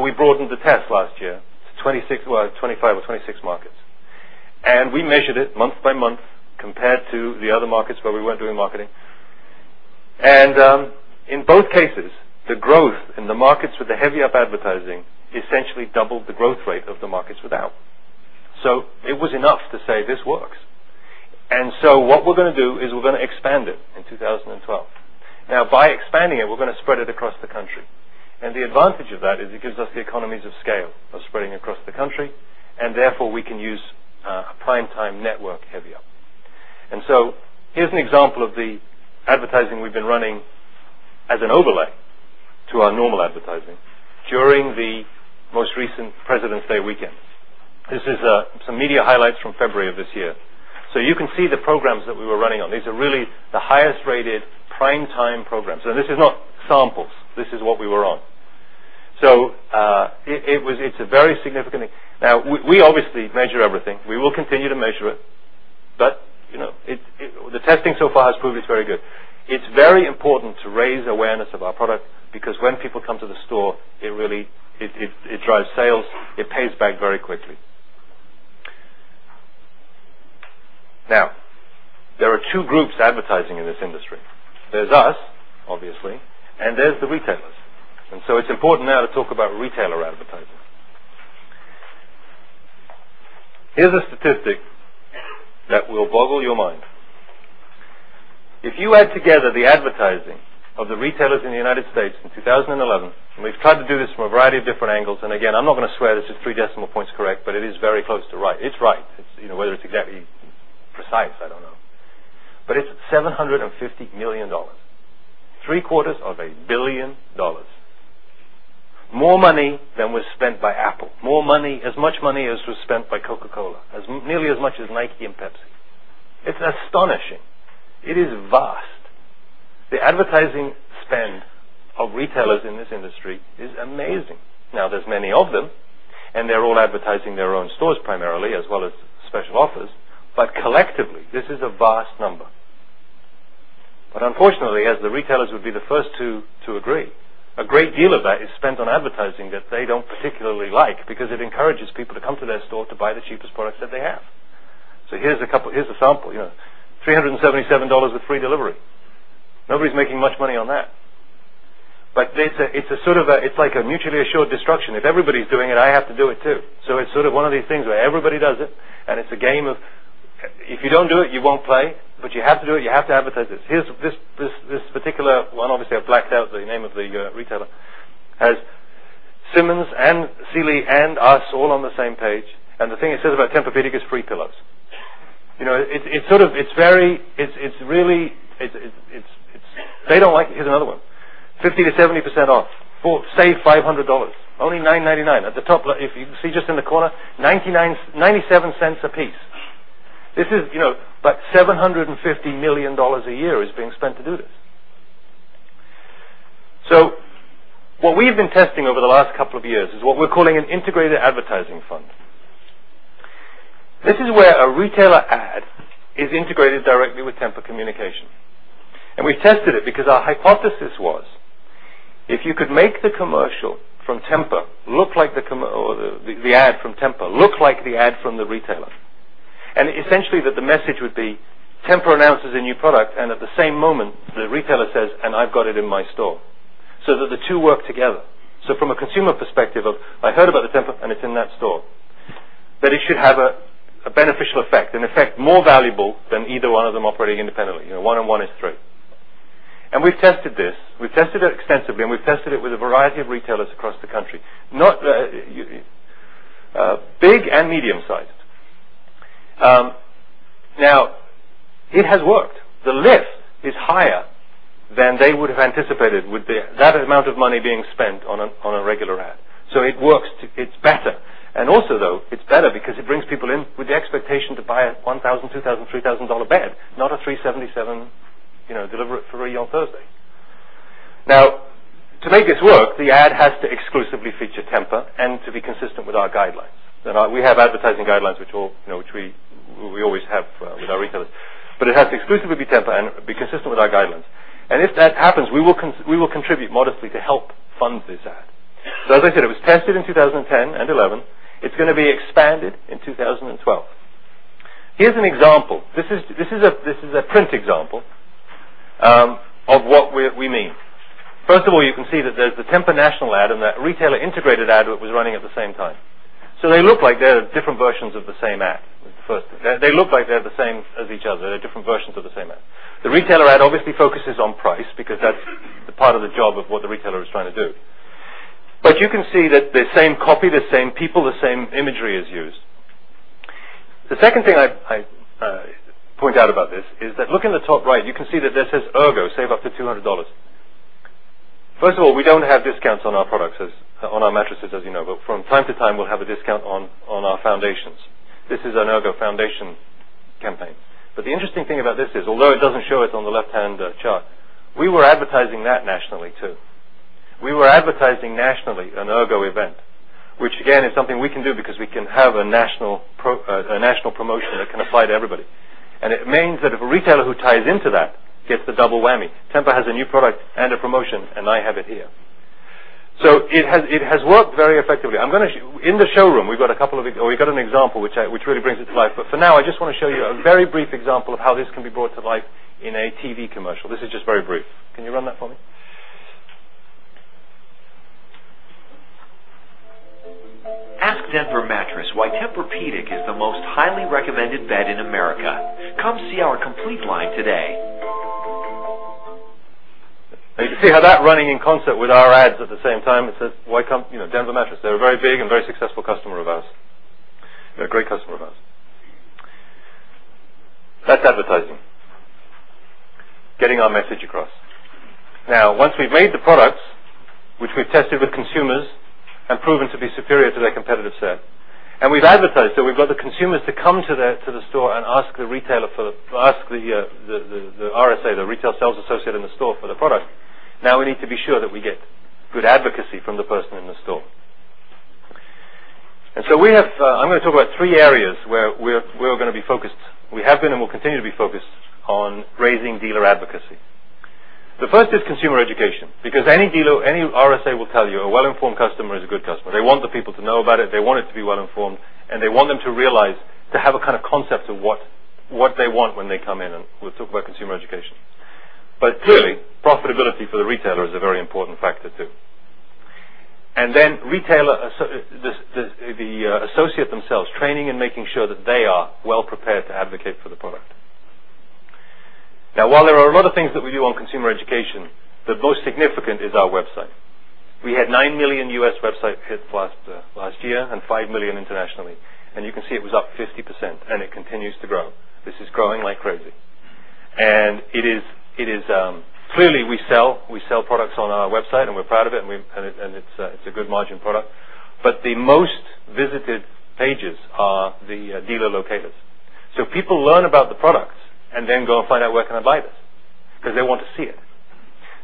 We broadened the test last year to 25 or 26 markets. We measured it month by month compared to the other markets where we weren't doing marketing. In both cases, the growth in the markets with the heavy-up advertising essentially doubled the growth rate of the markets without. It was enough to say this works. What we're going to do is we're going to expand it in 2012. By expanding it, we're going to spread it across the country. The advantage of that is it gives us the economies of scale by spreading across the country. Therefore, we can use a prime-time network heavy-up. Here's an example of the advertising we've been running as an overlay to our normal advertising during the most recent President's Day weekend. This is some media highlights from February of this year. You can see the programs that we were running on. These are really the highest-rated prime-time programs. This is not samples. This is what we were on. It's a very significant thing. We obviously measure everything. We will continue to measure it. The testing so far has proved it's very good. It's very important to raise awareness of our product because when people come to the store, it really drives sale. It pays back very quickly. There are two groups advertising in this industry. There's us, obviously, and there's the retailers. It's important now to talk about retailer advertising. Here's a statistic that will boggle your mind. If you add together the advertising of the retailers in the United States in 2011, and we've tried to do this from a variety of different angles. I'm not going to swear this is three decimal points correct, but it is very close to right. It's right. Whether it's exactly precise, I don't know. It's $750 million, $0.75 billion. More money than was spent by Apple. More money, as much money as was spent by Coca-Cola, as nearly as much as Nike and Pepsi. It's astonishing. It is vast. The advertising spend of retailers in this industry is amazing. Now, there are many of them, and they're all advertising their own stores primarily, as well as special offers. Collectively, this is a vast number. Unfortunately, as the retailers would be the first to agree, a great deal of that is spent on advertising that they don't particularly like because it encourages people to come to their store to buy the cheapest products that they have. Here's a sample, you know, $377 with free delivery. Nobody's making much money on that. It's like a mutually assured destruction. If everybody's doing it, I have to do it too. It's one of these things where everybody does it, and it's a game of if you don't do it, you won't play, but you have to do it. You have to advertise this. Here's this particular one. Obviously, I've blacked out the name of the retailer. It has Simmons and Sealy and us all on the same page. The thing it says about Tempur-Pedic is free pillows. It's very, it's really, they don't like it. Here's another one. 50%-70% off. Save $500. Only $999 at the top. If you can see just in the corner, $0.97 a piece. This is, you know, but $750 million a year is being spent to do this. What we've been testing over the last couple of years is what we're calling an integrated advertising fund. This is where a retailer ad is integrated directly with Tempur communication. We've tested it because our hypothesis was if you could make the commercial from Tempur look like the ad from Tempur look like the ad from the retailer. Essentially, the message would be Tempur announces a new product, and at the same moment, the retailer says, "And I've got it in my store." The two work together. From a consumer perspective of, "I heard about the Tempur, and it's in that store," it should have a beneficial effect, an effect more valuable than either one of them operating independently. One and one is three. We've tested this. We've tested it extensively, and we've tested it with a variety of retailers across the country, not big and medium-sized. It has worked. The lift is higher than they would have anticipated with that amount of money being spent on a regular ad. It works. It's better. It is better because it brings people in with the expectation to buy a $1,000, $2,000, $3,000 bed, not a $377, you know, deliver it for free on Thursday. To make this work, the ad has to exclusively feature Tempur and be consistent with our guidelines. We have advertising guidelines, which we always have with our retailers. It has to exclusively be Tempur and be consistent with our guidelines. If that happens, we will contribute modestly to help fund this ad. As I said, it was tested in 2010 and 2011. It is going to be expanded in 2012. Here is an example. This is a print example of what we mean. First of all, you can see that there is the Tempur national ad and that retailer integrated ad that was running at the same time. They look like they are different versions of the same ad. They look like they are the same as each other. They are different versions of the same ad. The retailer ad obviously focuses on price because that is the part of the job of what the retailer is trying to do. You can see that the same copy, the same people, the same imagery is used. The second thing I would point out about this is that look in the top right. You can see that this says Ergo, save up to $200. First of all, we do not have discounts on our products, on our mattresses, as you know. From time to time, we will have a discount on our foundations. This is an Ergo foundation campaign. The interesting thing about this is, although it does not show it on the left-hand chart, we were advertising that nationally too. We were advertising nationally an Ergo event, which again is something we can do because we can have a national promotion that can apply to everybody. It means that if a retailer who ties into that gets the double whammy. Tempur has a new product and a promotion, and I have it here. It has worked very effectively. In the showroom, we have got a couple of, or we have got an example which really brings it to life. For now, I just want to show you a very brief example of how this can be brought to life in a TV commercial. This is just very brief. Can you run that for me? Ask Denver Mattress why Tempur-Pedic is the most highly recommended bed in America. Come see our complete line today. See how that running in concert with our ads at the same time? It says, why come Denver Mattress? They're a very big and very successful customer of ours. They're a great customer of ours. That's advertising, getting our message across. Now, once we've made the products, which we've tested with consumers and proven to be superior to their competitive set, and we've advertised, we've got the consumers to come to the store and ask the retailer for the RSA, the Retail Sales Associate, in the store for the product. Now we need to be sure that we get good advocacy from the person in the store. We have, I'm going to talk about three areas where we're going to be focused. We have been and will continue to be focused on raising dealer advocacy. The first is consumer education because any dealer, any RSA will tell you a well-informed customer is a good customer. They want the people to know about it. They want it to be well-informed. They want them to realize, to have a kind of concept of what they want when they come in. We'll talk about consumer education. Clearly, profitability for the retailer is a very important factor too. The associate themselves, training and making sure that they are well-prepared to advocate for the product. Now, while there are a lot of things that we do on consumer education, the most significant is our website. We had 9 million U.S. website hits last year and 5 million internationally. You can see it was up 50%, and it continues to grow. This is growing like crazy. It is clearly we sell products on our website, and we're proud of it, and it's a good margin product. The most visited pages are the dealer locators. People learn about the products and then go and find out where can I buy this because they want to see it.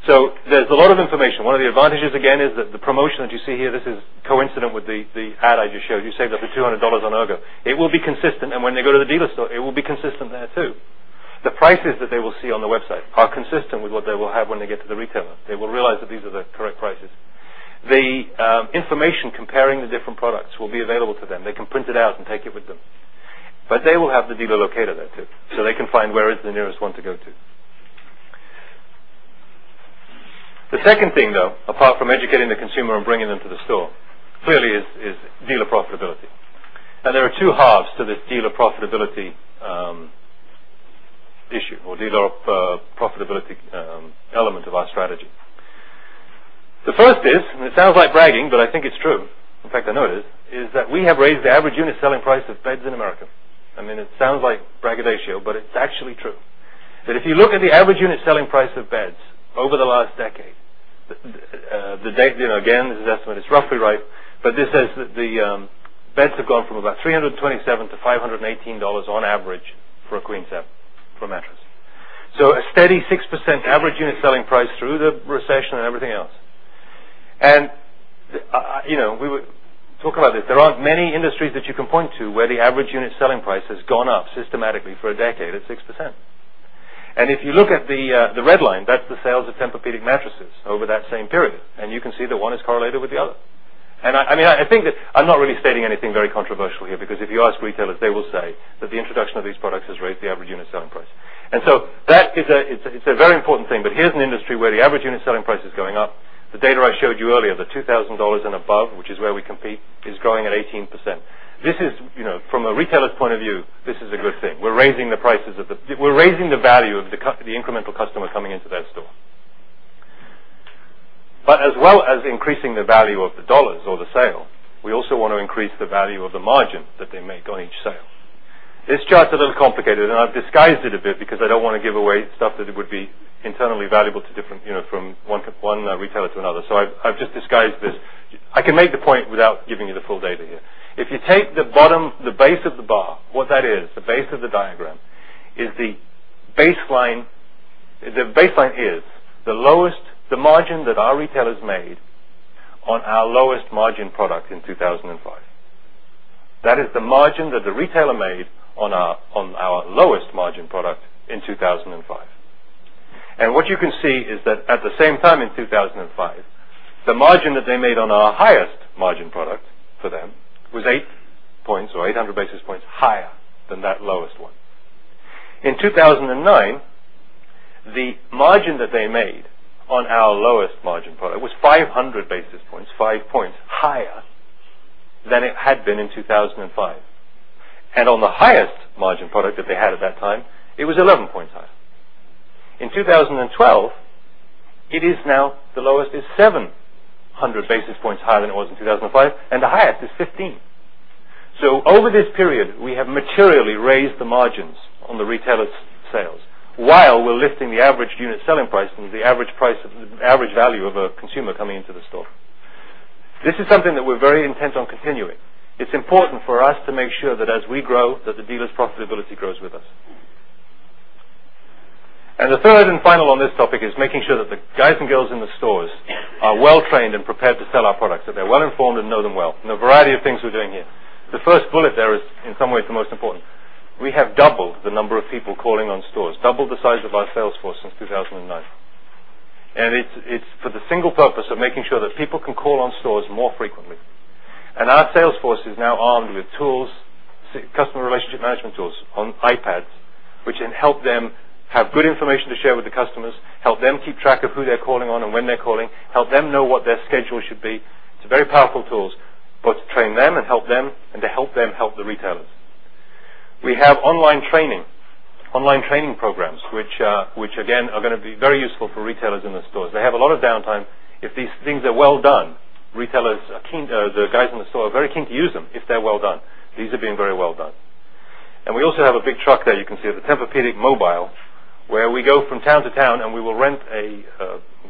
There's a lot of information. One of the advantages, again, is that the promotion that you see here, this is coincident with the ad I just showed. You saved up to $200 on Ergo. It will be consistent. When they go to the dealer store, it will be consistent there too. The prices that they will see on the website are consistent with what they will have when they get to the retailer. They will realize that these are the correct prices. The information comparing the different products will be available to them. They can print it out and take it with them. They will have the dealer locator there too. They can find where is the nearest one to go to. The second thing, though, apart from educating the consumer and bringing them to the store, clearly is dealer profitability. There are two halves to this dealer profitability issue or dealer profitability element of our strategy. The first is, and it sounds like bragging, but I think it's true. In fact, I know it is, is that we have raised the average unit selling price of beds in America. It sounds like braggadocio, but it's actually true. If you look at the average unit selling price of beds over the last decade, the data, again, this is estimated, it's roughly right, but this says that the beds have gone from about $327-$518 on average for a queen set, for a mattress. A steady 6% average unit selling price through the recession and everything else. You know, we talk about this. There aren't many industries that you can point to where the average unit selling price has gone up systematically for a decade at 6%. If you look at the red line, that's the sales of Tempur-Pedic mattresses over that same period. You can see that one is correlated with the other. I think that I'm not really stating anything very controversial here because if you ask retailers, they will say that the introduction of these products has raised the average unit selling price. That is a very important thing. Here is an industry where the average unit selling price is going up. The data I showed you earlier, the $2,000 and above, which is where we compete, is growing at 18%. From a retailer's point of view, this is a good thing. We're raising the value of the incremental customer coming into their store. As well as increasing the value of the dollars or the sale, we also want to increase the value of the margin that they make on each sale. This chart's a little complicated, and I've disguised it a bit because I don't want to give away stuff that would be internally valuable to different, you know, from one retailer to another. I've just disguised this. I can make the point without giving you the full data here. If you take the bottom, the base of the bar, what that is, the base of the diagram, is the baseline is the lowest, the margin that our retailers made on our lowest margin product in 2005. That is the margin that the retailer made on our lowest margin product in 2005. What you can see is that at the same time in 2005, the margin that they made on our highest margin product for them was 8 points or 800 basis points higher than that lowest one. In 2009, the margin that they made on our lowest margin product was 500 basis points, 5 points higher than it had been in 2005. On the highest margin product that they had at that time, it was 11 points higher. In 2012, it is now the lowest is 700 basis points higher than it was in 2005, and the highest is 15 points. Over this period, we have materially raised the margins on the retailer's sales while we're lifting the average unit selling price and the average value of a consumer coming into the store. This is something that we're very intent on continuing. It's important for us to make sure that as we grow, the dealer's profitability grows with us. The third and final on this topic is making sure that the guys and girls in the stores are well trained and prepared to sell our products, that they're well informed and know them well, and a variety of things we're doing here. The first bullet there is, in some way, the most important. We have doubled the number of people calling on stores, doubled the size of our sales force since 2009. It's for the single purpose of making sure that people can call on stores more frequently. Our sales force is now armed with tools, customer relationship management tools on iPads, which can help them have good information to share with the customers, help them keep track of who they're calling on and when they're calling, help them know what their schedule should be. It's very powerful tools, both to train them and help them, and to help them help the retailers. We have online training, online training programs, which, again, are going to be very useful for retailers in the stores. They have a lot of downtime. If these things are well done, retailers, the guys in the store are very keen to use them if they're well done. These are being very well done. We also have a big truck there. You can see the Tempur-Pedic mobile, where we go from town to town, and we will rent a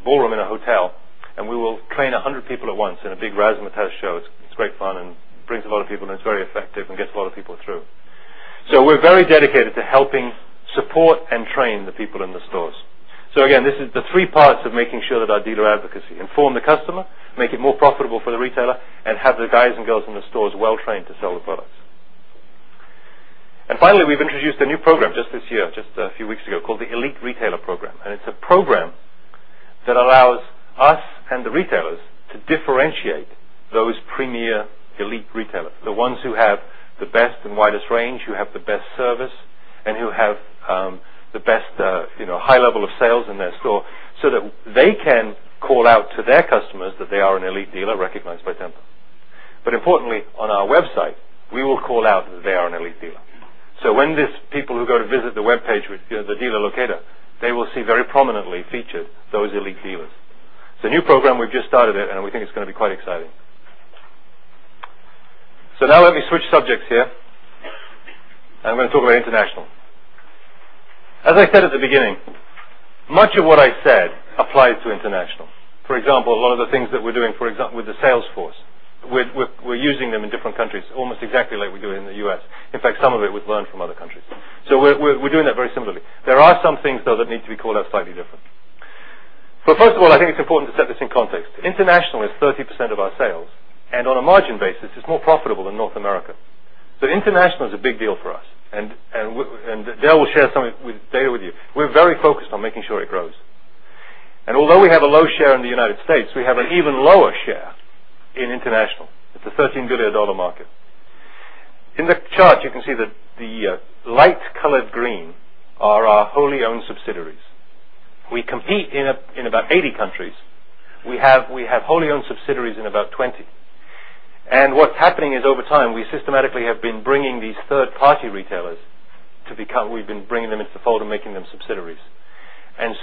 ballroom in a hotel, and we will train 100 people at once in a big razzmatazz show. It's great fun and brings a lot of people, and it's very effective and gets a lot of people through. We're very dedicated to helping support and train the people in the stores. This is the three parts of making sure that our dealer advocacy informs the customer, makes it more profitable for the retailer, and has the guys and girls in the stores well trained to sell the products. Finally, we've introduced a new program just this year, just a few weeks ago, called the Elite Retailer Program. It's a program that allows us and the retailers to differentiate those premier elite retailers, the ones who have the best and widest range, who have the best service, and who have the best, you know, high level of sales in their store so that they can call out to their customers that they are an elite dealer recognized by Tempur. Importantly, on our website, we will call out that they are an elite dealer. When these people who go to visit the webpage with the dealer locator, they will see very prominently featured those elite dealers. It's a new program. We've just started it, and we think it's going to be quite exciting. Now let me switch subjects here. I'm going to talk about international. As I said at the beginning, much of what I said applied to international. For example, a lot of the things that we're doing, for example, with the sales force, we're using them in different countries, almost exactly like we do it in the U.S. In fact, some of it was learned from other countries. We're doing that very similarly. There are some things, though, that need to be called out slightly differently. First of all, I think it's important to set this in context. International is 30% of our sales, and on a margin basis, it's more profitable than North America. International is a big deal for us. Dale will share some data with you. We're very focused on making sure it grows. Although we have a low share in the United States, we have an even lower share in international. It's a $13 billion market. In the chart, you can see that the light-colored green are our wholly owned subsidiaries. We compete in about 80 countries. We have wholly owned subsidiaries in about 20. What's happening is over time, we systematically have been bringing these third-party retailers to become, we've been bringing them into the fold and making them subsidiaries.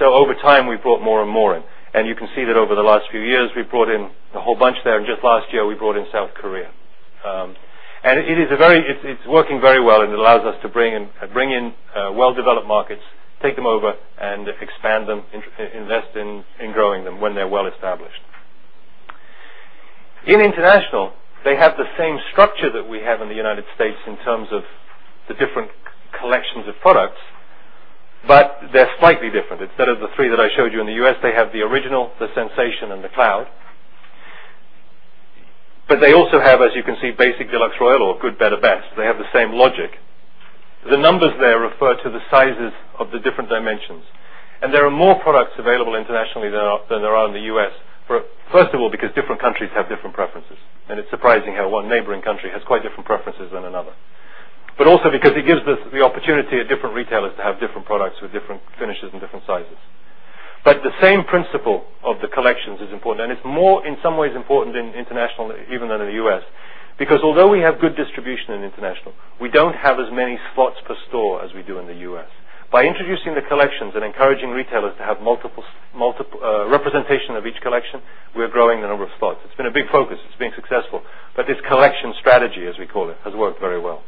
Over time, we've brought more and more in. You can see that over the last few years, we've brought in a whole bunch there. Just last year, we brought in South Korea. It is working very well, and it allows us to bring in well-developed markets, take them over, and expand them, invest in growing them when they're well established. In international, they have the same structure that we have in the U.S. in terms of the different collections of products, but they're slightly different. Instead of the three that I showed you in the U.S., they have the original, the Sensation, and the Cloud. They also have, as you can see, Basic, Deluxe, Royal, or Good, Better, Best. They have the same logic. The numbers there refer to the sizes of the different dimensions. There are more products available internationally than there are in the U.S., first of all, because different countries have different preferences. It's surprising how one neighboring country has quite different preferences than another. It also gives us the opportunity at different retailers to have different products with different finishes and different sizes. The same principle of the collections is important. It's more, in some ways, important in international, even than in the U.S., because although we have good distribution in international, we don't have as many slots per store as we do in the U.S. By introducing the collections and encouraging retailers to have multiple representations of each collection, we're growing the number of slots. It's been a big focus. It's been successful. This collection strategy, as we call it, has worked very well.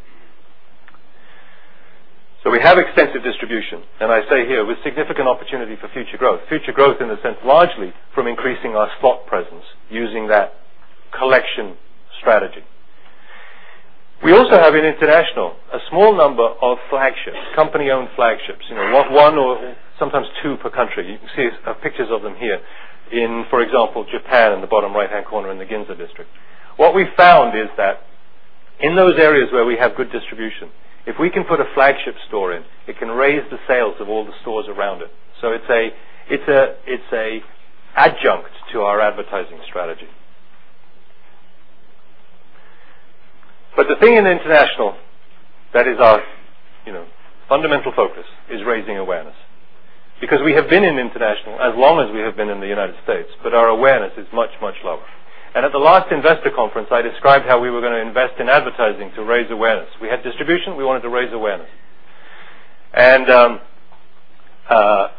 We have extensive distribution. I say here with significant opportunity for future growth. Future growth in the sense largely from increasing our slot presence using that collection strategy. We also have in international a small number of flagships, company-owned flagships, one or sometimes two per country. You can see pictures of them here in, for example, Japan in the bottom right-hand corner in the Ginza district. What we found is that in those areas where we have good distribution, if we can put a flagship store in, it can raise the sales of all the stores around it. It's an adjunct to our advertising strategy. The thing in international that is our fundamental focus is raising awareness because we have been in international as long as we have been in the U.S., but our awareness is much, much lower. At the last Investor Conference, I described how we were going to invest in advertising to raise awareness. We had distribution. We wanted to raise awareness.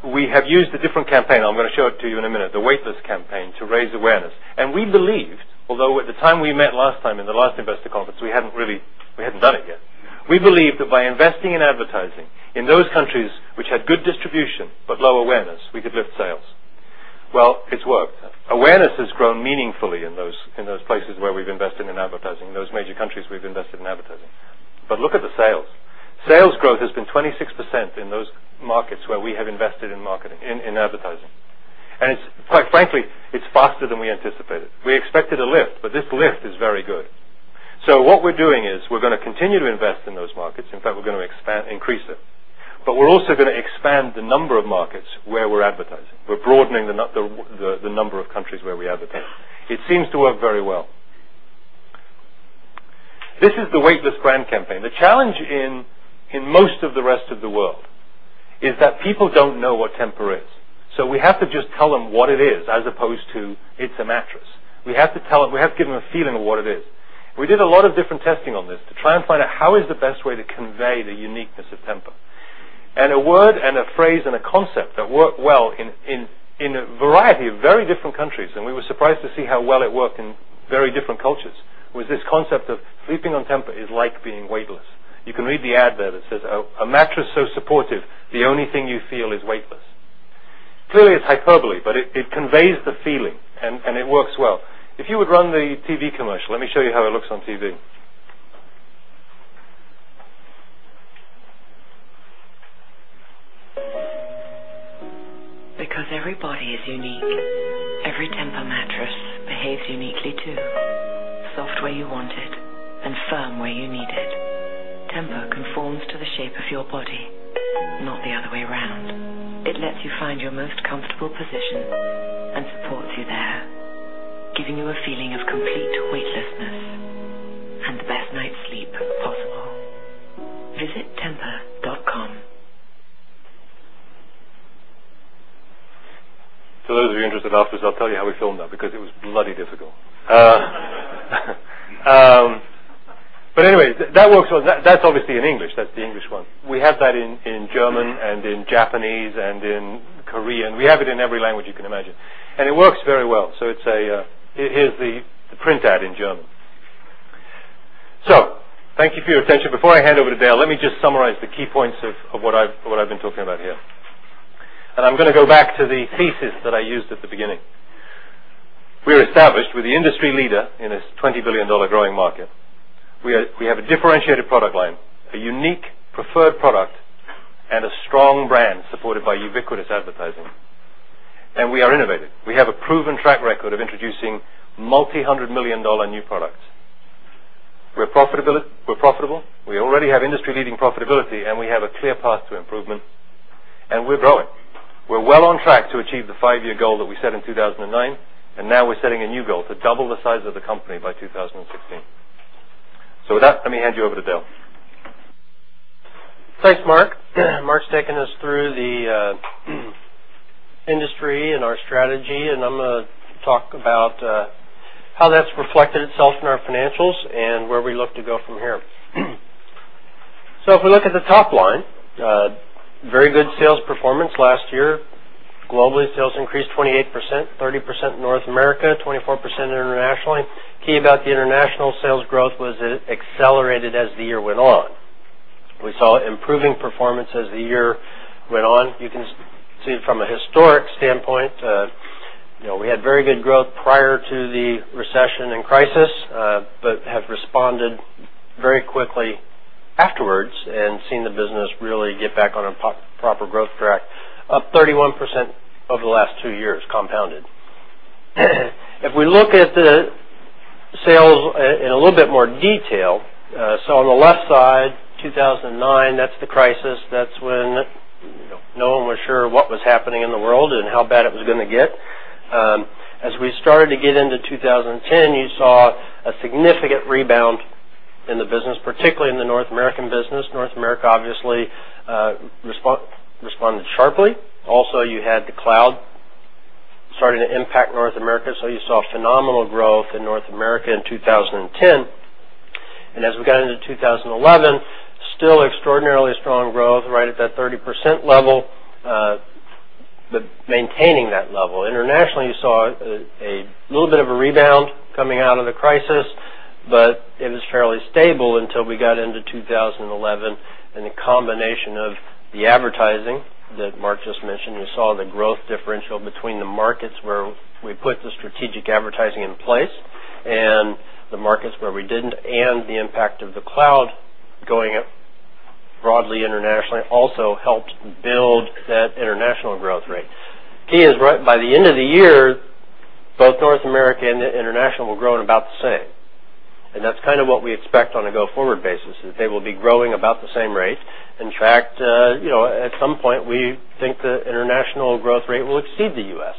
We have used a different campaign. I'm going to show it to you in a minute, the weightless campaign to raise awareness. We believed, although at the time we met last time in the last Investor Conference, we hadn't done it yet, we believed that by investing in advertising in those countries which had good distribution but low awareness, we could lift sales. It has worked. Awareness has grown meaningfully in those places where we've invested in advertising, those major countries we've invested in advertising. Look at the sales. Sales growth has been 26% in those markets where we have invested in marketing, in advertising. Quite frankly, it's faster than we anticipated. We expected a lift, but this lift is very good. What we're doing is we're going to continue to invest in those markets. In fact, we're going to expand, increase it. We're also going to expand the number of markets where we're advertising. We're broadening the number of countries where we advertise. It seems to work very well. This is the weightless grand campaign. The challenge in most of the rest of the world is that people don't know what Tempur is. We have to just tell them what it is, as opposed to it's a mattress. We have to tell them, we have to give them a feeling of what it is. We did a lot of different testing on this to try and find out how is the best way to convey the uniqueness of Tempur. A word and a phrase and a concept that work well in a variety of very different countries, and we were surprised to see how well it worked in very different cultures, was this concept of sleeping on Tempur is like being weightless. You can read the ad there that says, "A mattress so supportive, the only thing you feel is weightless." Clearly, it's hyperbole, but it conveys the feeling, and it works well. If you would run the TV commercial, let me show you how it looks on TV. Because every body is unique, every Tempur mattress behaves uniquely too. Soft where you want it and firm where you need it. Tempur conforms to the shape of your body, not the other way around. It lets you find your most comfortable position and supports you there, giving you a feeling of complete weightlessness and the best night's sleep possible. Visit tempur.com. To those of you interested after this, I'll tell you how we filmed that because it was bloody difficult. Anyway, that works well. That's obviously in English. That's the English one. We have that in German, in Japanese, and in Korean. We have it in every language you can imagine, and it works very well. Here's the print ad in German. Thank you for your attention. Before I hand over to Dale, let me just summarize the key points of what I've been talking about here. I'm going to go back to the thesis that I used at the beginning. We're established with the industry leader in a $20 billion growing market. We have a differentiated product line, a unique preferred product, and a strong brand supported by ubiquitous advertising. We are innovative. We have a proven track record of introducing multi-hundred million dollar new products. We're profitable. We already have industry-leading profitability, and we have a clear path to improvement. We're growing. We're well on track to achieve the five-year goal that we set in 2009, and now we're setting a new goal to double the size of the company by 2016. With that, let me hand you over to Dale. Thanks, Mark. Mark's taken us through the industry and our strategy, and I'm going to talk about how that's reflected itself in our financials and where we look to go from here. If we look at the top line, very good sales performance last year. Globally, sales increased 28%, 30% in North America, 24% internationally. Key about the international sales growth was it accelerated as the year went on. We saw improving performance as the year went on. You can see it from a historic standpoint. We had very good growth prior to the recession and crisis, but have responded very quickly afterwards and seen the business really get back on a proper growth track, up 31% over the last two years compounded. If we look at the sales in a little bit more detail, on the left side, 2009, that's the crisis. That's when no one was sure what was happening in the world and how bad it was going to get. As we started to get into 2010, you saw a significant rebound in the business, particularly in the North American business. North America obviously responded sharply. Also, you had the Cloud starting to impact North America. You saw phenomenal growth in North America in 2010. As we got into 2011, still extraordinarily strong growth right at that 30% level, but maintaining that level. Internationally, you saw a little bit of a rebound coming out of the crisis, but it was fairly stable until we got into 2011 and the combination of the advertising that Mark just mentioned. You saw the growth differential between the markets where we put the strategic advertising in place and the markets where we didn't, and the impact of the Cloud going up broadly internationally also helped build that international growth rate. Key is right by the end of the year, both North America and the international will grow in about the same. That's kind of what we expect on a go-forward basis, is they will be growing about the same rate. In fact, at some point, we think the international growth rate will exceed the U.S.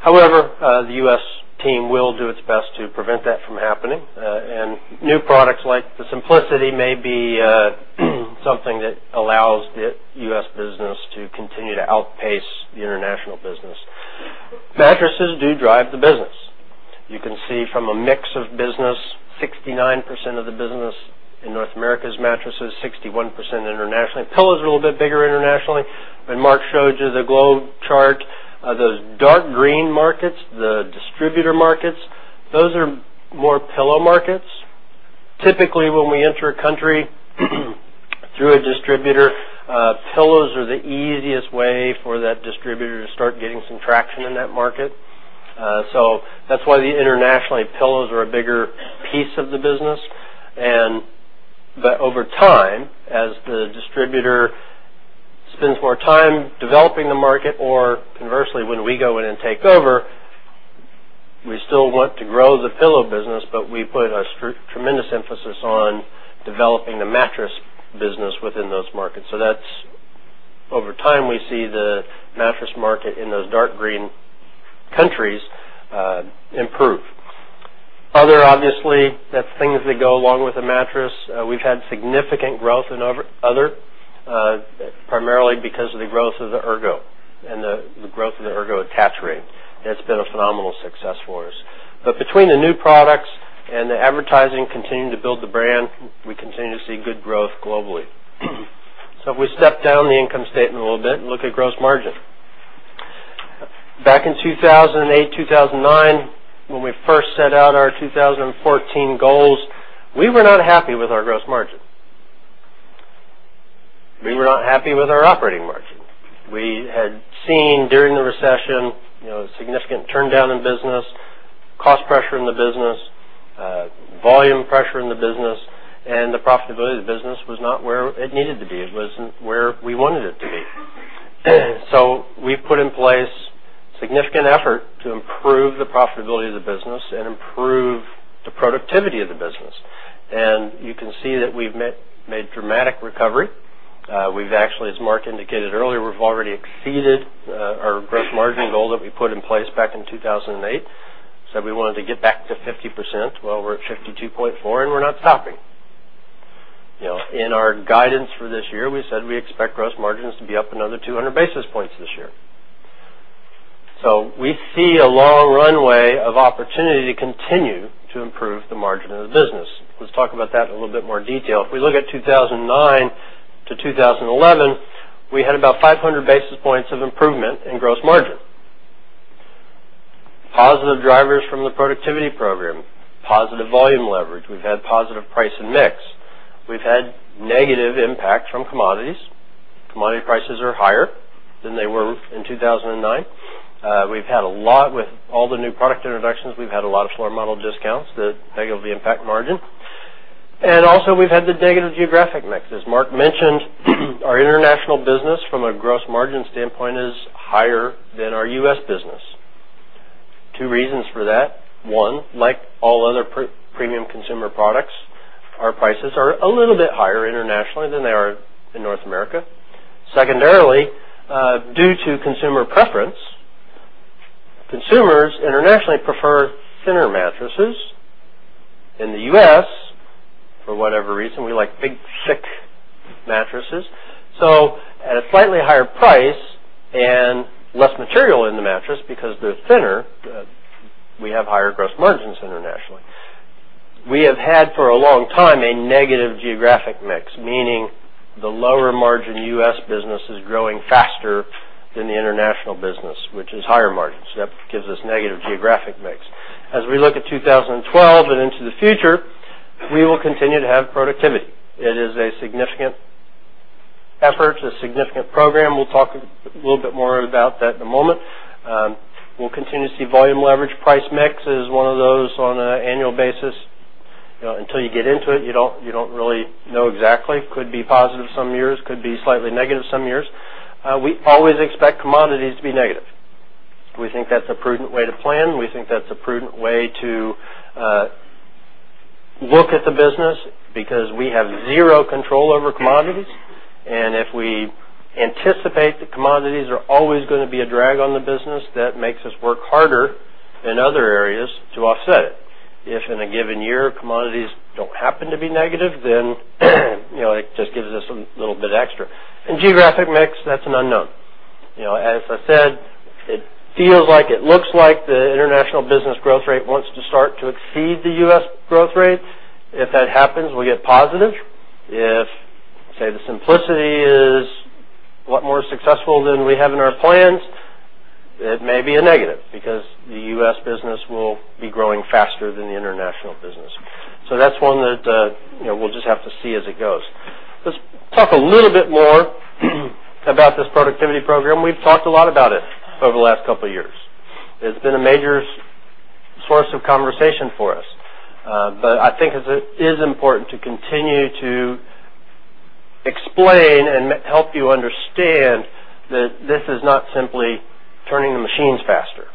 However, the U.S. team will do its best to prevent that from happening. New products like the Simplicity may be something that allows the U.S. business to continue to outpace the international business. Mattresses do drive the business. You can see from a mix of business, 69% of the business in North America is mattresses, 61% internationally. Pillows are a little bit bigger internationally. When Mark showed you the globe chart, those dark green markets, the distributor markets, those are more pillow markets. Typically, when we enter a country through a distributor, pillows are the easiest way for that distributor to start getting some traction in that market. That's why internationally, pillows are a bigger piece of the business. Over time, as the distributor spends more time developing the market, or conversely, when we go in and take over, we still want to grow the pillow business, but we put a tremendous emphasis on developing the mattress business within those markets. Over time, we see the mattress market in those dark green countries improve. Obviously, that's things that go along with a mattress. We've had significant growth in other, primarily because of the growth of the Ergo and the growth of the Ergo attach rate. It's been a phenomenal success for us. Between the new products and the advertising continuing to build the brand, we continue to see good growth globally. If we step down the income statement a little bit and look at gross margin, back in 2008, 2009, when we first set out our 2014 goals, we were not happy with our gross margin. We were not happy with our operating margin. We had seen during the recession a significant turndown in business, cost pressure in the business, volume pressure in the business, and the profitability of the business was not where it needed to be. It wasn't where we wanted it to be. We put in place significant effort to improve the profitability of the business and improve the productivity of the business. You can see that we've made a dramatic recovery. As Mark indicated earlier, we've already exceeded our gross margin goal that we put in place back in 2008. We wanted to get back to 50%. We're at 52.4%, and we're not stopping. In our guidance for this year, we said we expect gross margins to be up another 200 basis points this year. We see a long runway of opportunity to continue to improve the margin of the business. Let's talk about that in a little bit more detail. If we look at 2009 to 2011, we had about 500 basis points of improvement in gross margin. Positive drivers from the productivity program, positive volume leverage. We've had positive price and mix. We've had negative impacts from commodities. Commodity prices are higher than they were in 2009. We've had a lot with all the new product introductions. We've had a lot of floor model discounts that pegged the impact margin. Also, we've had the geographic mix. As Mark mentioned, our international business, from a gross margin standpoint, is higher than our U.S. business. Two reasons for that: one, like all other premium consumer products, our prices are a little bit higher internationally than they are in North America. Secondarily, due to consumer preference, consumers internationally prefer thinner mattresses. In the U.S., for whatever reason, we like big, thick mattresses. At a slightly higher price and less material in the mattress because they're thinner, we have higher gross margins internationally. We have had, for a long time, a negative geographic mix, meaning the lower margin U.S. business is growing faster than the international business, which is higher margins. That gives us a negative geographic mix. As we look at 2012 and into the future, we will continue to have productivity. It is a significant effort, a significant program. We'll talk a little bit more about that in a moment. We'll continue to see volume leverage price mix as one of those on an annual basis. Until you get into it, you don't really know exactly. It could be positive some years, could be slightly negative some years. We always expect commodities to be negative. We think that's a prudent way to plan. We think that's a prudent way to look at the business because we have zero control over commodities. If we anticipate that commodities are always going to be a drag on the business, that makes us work harder in other areas to offset it. If in a given year commodities don't happen to be negative, then it just gives us a little bit extra. In the geographic mix, that's an unknown. As I said, it feels like, it looks like the international business growth rate wants to start to exceed the U.S. growth rate. If that happens, we'll get positive. If, say, the simplicity is a lot more successful than we have in our plans, it may be a negative because the U.S. business will be growing faster than the international business. That's one that we'll just have to see as it goes. Let's talk a little bit more about this productivity program. We've talked a lot about it over the last couple of years. It's been a major source of conversation for us. I think it is important to continue to explain and help you understand that this is not simply turning the machines faster.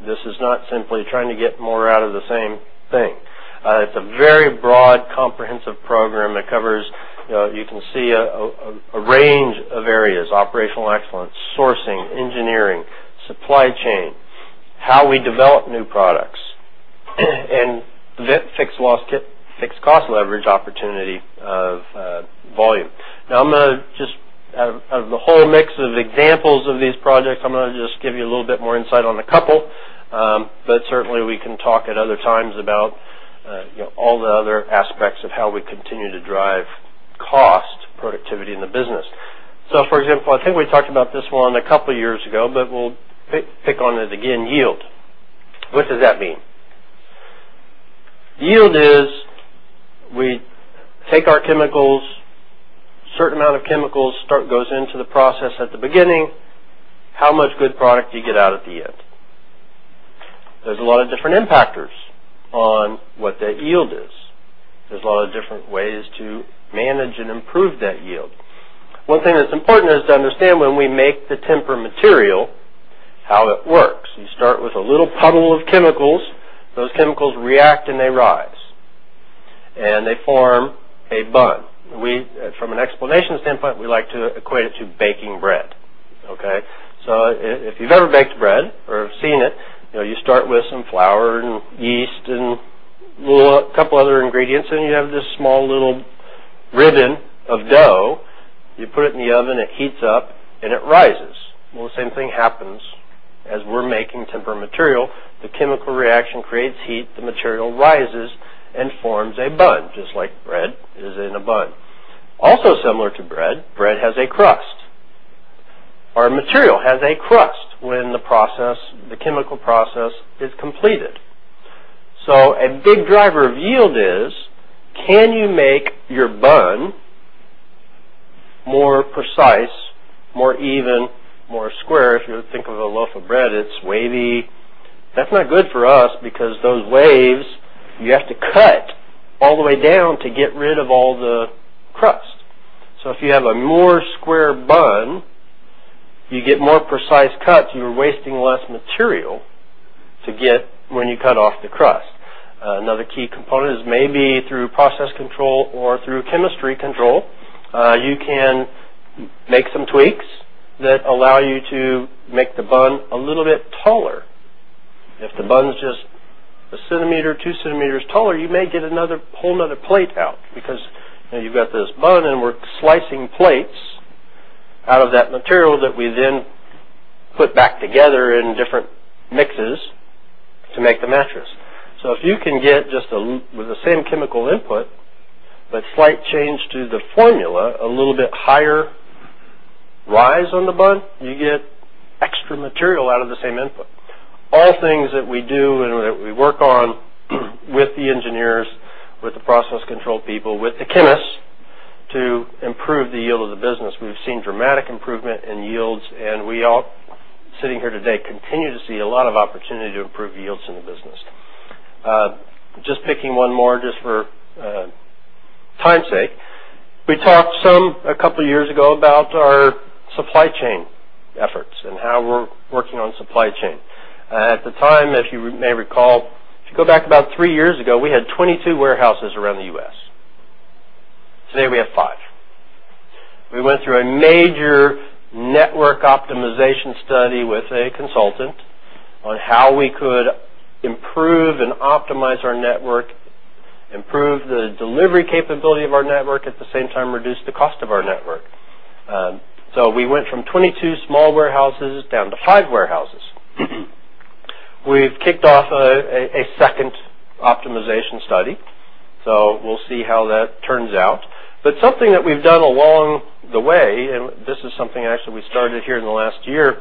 This is not simply trying to get more out of the same thing. It's a very broad, comprehensive program that covers, you know, you can see a range of areas: operational excellence, sourcing, engineering, supply chain, how we develop new products, and the fixed cost leverage opportunity of volume. I'm going to just, out of the whole mix of examples of these projects, give you a little bit more insight on a couple. Certainly, we can talk at other times about all the other aspects of how we continue to drive cost, productivity in the business. For example, I think we talked about this one a couple of years ago, but we'll pick on it again: yield. What does that mean? Yield is we take our chemicals, a certain amount of chemicals goes into the process at the beginning, how much good product do you get out at the end? There are a lot of different impactors on what that yield is. There are a lot of different ways to manage and improve that yield. One thing that's important is to understand when we make the material, how it works. You start with a little puddle of chemicals. Those chemicals react and they rise. They form a bun. From an explanation standpoint, we like to equate it to baking bread. If you've ever baked bread or have seen it, you know, you start with some flour and yeast and a couple of other ingredients, and you have this small little ribbon of dough. You put it in the oven, it heats up, and it rises. The same thing happens as we're making material. The chemical reaction creates heat, the material rises and forms a bun, just like bread is in a bun. Also similar to bread, bread has a crust. Our material has a crust when the process, the chemical process, is completed. A big driver of yield is, can you make your bun more precise, more even, more square? If you think of a loaf of bread, it's wavy. That's not good for us because those waves, you have to cut all the way down to get rid of all the crust. If you have a more square bun, you get more precise cuts. You're wasting less material when you cut off the crust. Another key component is maybe through process control or through chemistry control, you can make some tweaks that allow you to make the bun a little bit taller. If the bun's just 1 cm-2 cm taller, you may get a whole other plate out because you've got this bun and we're slicing plates out of that material that we then put back together in different mixes to make the mattress. If you can get just a, with the same chemical input but slight change to the formula, a little bit higher rise on the bun, you get extra material out of the same input. All things that we do and that we work on with the engineers, with the process control people, with the chemists to improve the yield of the business. We've seen dramatic improvement in yields, and we all sitting here today continue to see a lot of opportunity to improve yields in the business. Just picking one more just for time's sake. We talked a couple of years ago about our supply chain efforts and how we're working on supply chain. At the time, if you may recall, go back about three years ago, we had 22 warehouses around the U.S. Today, we have five. We went through a major network optimization study with a consultant on how we could improve and optimize our network, improve the delivery capability of our network, at the same time, reduce the cost of our network. We went from 22 small warehouses down to five warehouses. We've kicked off a second optimization study. We'll see how that turns out. Something that we've done along the way, and this is something actually we started here in the last year,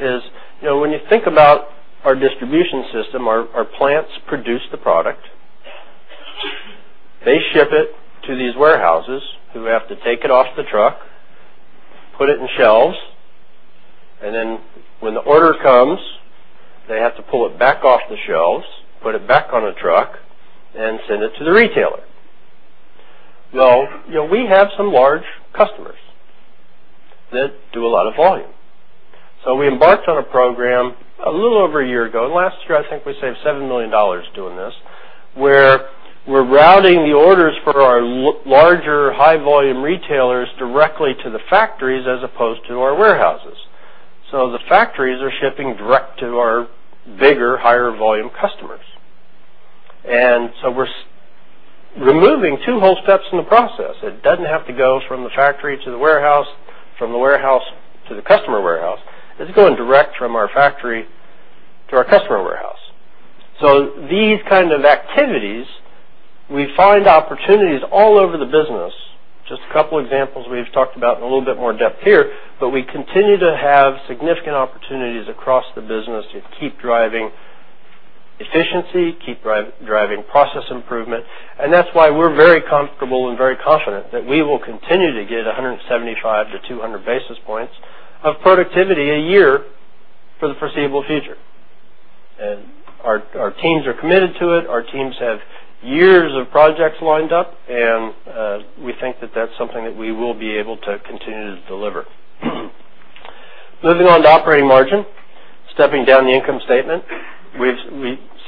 is, you know, when you think about our distribution system, our plants produce the product. They ship it to these warehouses who have to take it off the truck, put it in shelves, and then when the order comes, they have to pull it back off the shelves, put it back on a truck, and send it to the retailer. We have some large customers that do a lot of volume. We embarked on a program a little over a year ago, and last year, I think we saved $7 million doing this, where we're routing the orders for our larger, high-volume retailers directly to the factories as opposed to our warehouses. The factories are shipping direct to our bigger, higher-volume customers. We are removing two whole steps in the process. It doesn't have to go from the factory to the warehouse, from the warehouse to the customer warehouse. It's going direct from our factory to our customer warehouse. These kinds of activities, we find opportunities all over the business. Just a couple of examples we've talked about in a little bit more depth here, but we continue to have significant opportunities across the business to keep driving efficiency, keep driving process improvement. That is why we're very comfortable and very confident that we will continue to get 175 basis points-200 basis points of productivity a year for the foreseeable future. Our teams are committed to it. Our teams have years of projects lined up, and we think that is something that we will be able to continue to deliver. Moving on to operating margin, stepping down the income statement, we've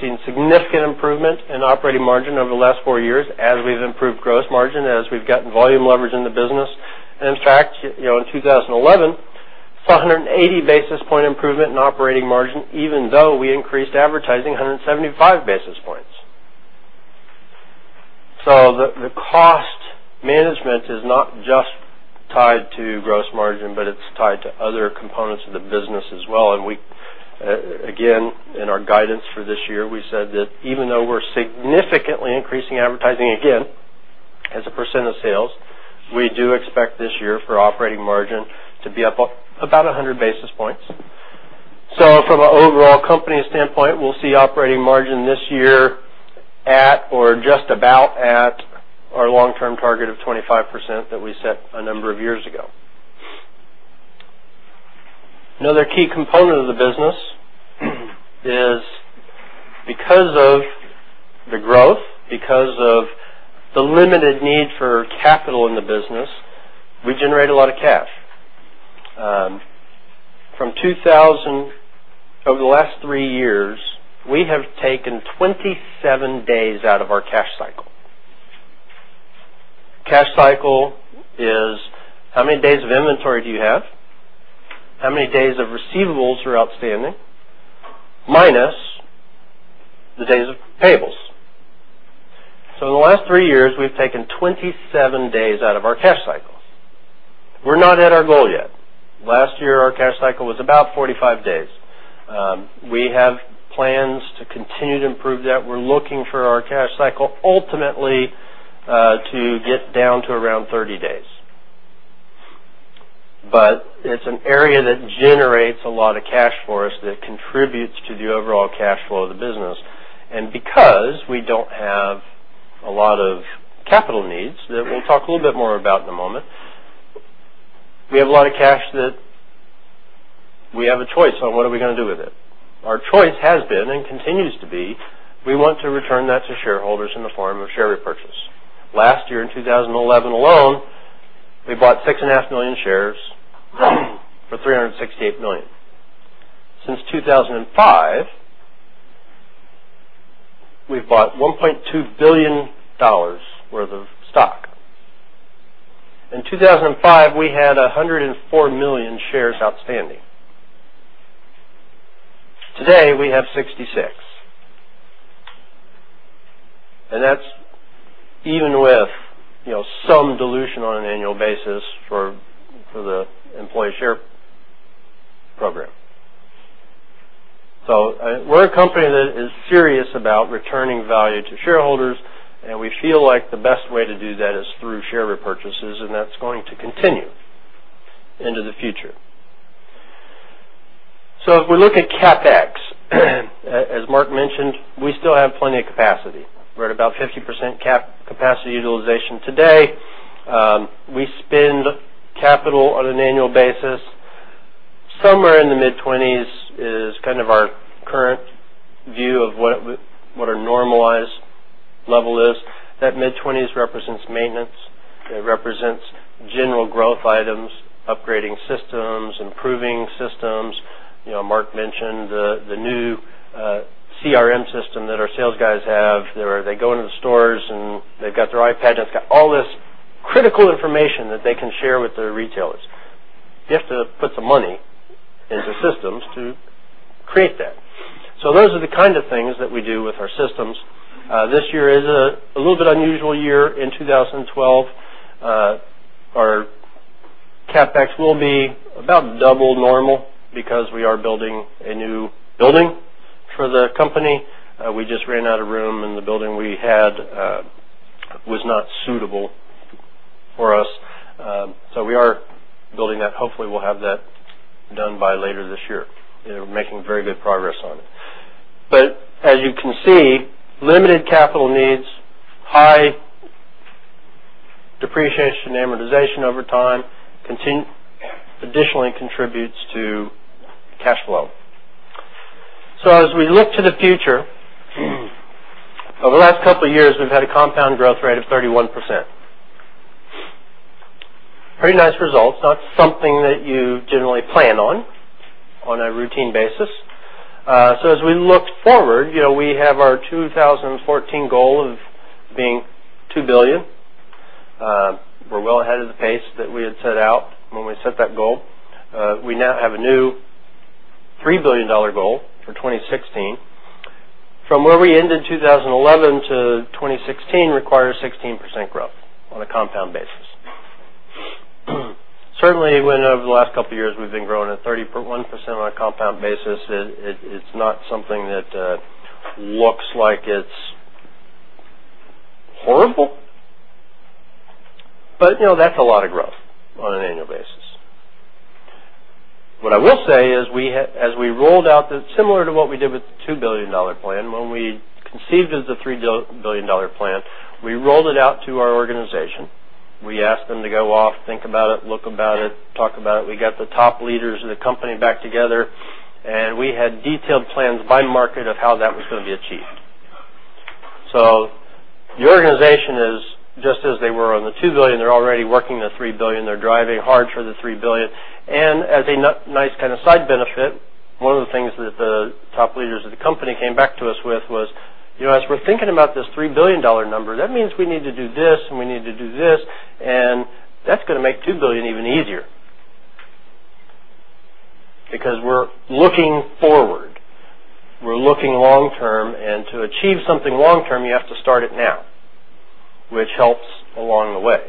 seen significant improvement in operating margin over the last four years as we've improved gross margin, as we've gotten volume leverage in the business. In fact, in 2011, saw 180 basis point improvement in operating margin, even though we increased advertising 175 basis points. The cost management is not just tied to gross margin, but it's tied to other components of the business as well. Again, in our guidance for this year, we said that even though we're significantly increasing advertising again as a percent of sales, we do expect this year for operating margin to be up about 100 basis points. From an overall company standpoint, we'll see operating margin this year at or just about at our long-term target of 25% that we set a number of years ago. Another key component of the business is because of the growth, because of the limited need for capital in the business, we generate a lot of cash. From 2000, over the last three years, we have taken 27 days out of our cash cycle. Cash cycle is how many days of inventory do you have, how many days of receivables are outstanding minus the days of payables. In the last three years, we've taken 27 days out of our cash cycles. We're not at our goal yet. Last year, our cash cycle was about 45 days. We have plans to continue to improve that. We're looking for our cash cycle ultimately to get down to around 30 days. It is an area that generates a lot of cash for us that contributes to the overall cash flow of the business. Because we don't have a lot of capital needs that we'll talk a little bit more about in a moment, we have a lot of cash that we have a choice on what are we going to do with it. Our choice has been and continues to be, we want to return that to shareholders in the form of share repurchase. Last year, in 2011 alone, we bought 6.5 million shares for $368 million. Since 2005, we've bought $1.2 billion worth of stock. In 2005, we had 104 million shares outstanding. Today, we have 66 million. That's even with some dilution on an annual basis for the employee share program. We're a company that is serious about returning value to shareholders, and we feel like the best way to do that is through share repurchases, and that's going to continue into the future. If we look at CapEx, as Mark mentioned, we still have plenty of capacity. We're at about 50% capacity utilization today. We spend capital on an annual basis. Somewhere in the mid-20% is kind of our current view of what our normalized level is. That mid-20% represents maintenance. It represents general growth items, upgrading systems, improving systems. Mark mentioned the new CRM system that our sales guys have. They go into the stores and they've got their iPad and it's got all this critical information that they can share with their retailers. You have to put some money into systems to create that. Those are the kind of things that we do with our systems. This year is a little bit unusual. In 2012, our CapEx will be about double normal because we are building a new building for the company. We just ran out of room in the building we had. It was not suitable for us. We are building that. Hopefully, we'll have that done by later this year. We're making very good progress on it. As you can see, limited capital needs, high depreciation and amortization over time additionally contributes to cash flow. As we look to the future, over the last couple of years, we've had a compound growth rate of 31%. Pretty nice results. Not something that you generally plan on a routine basis. As we look forward, we have our 2014 goal of being $2 billion. We're well ahead of the pace that we had set out when we set that goal. We now have a new $3 billion goal for 2016. From where we ended in 2011 to 2016 requires 16% growth on a compound basis. Certainly, when over the last couple of years, we've been growing at 31% on a compound basis, it's not something that looks like it's horrible. That's a lot of growth on an annual basis. What I will say is, as we rolled out that, similar to what we did with the $2 billion plan, when we conceived the $3 billion plan, we rolled it out to our organization. We asked them to go off, think about it, look about it, talk about it. We got the top leaders of the company back together, and we had detailed plans by market of how that was going to be achieved. The organization is just as they were on the $2 billion. They're already working the $3 billion. They're driving hard for the $3 billion. As a nice kind of side benefit, one of the things that the top leaders of the company came back to us with was, you know, as we're thinking about this $3 billion number, that means we need to do this and we need to do this, and that's going to make $2 billion even easier because we're looking forward. We're looking long term. To achieve something long term, you have to start it now, which helps along the way.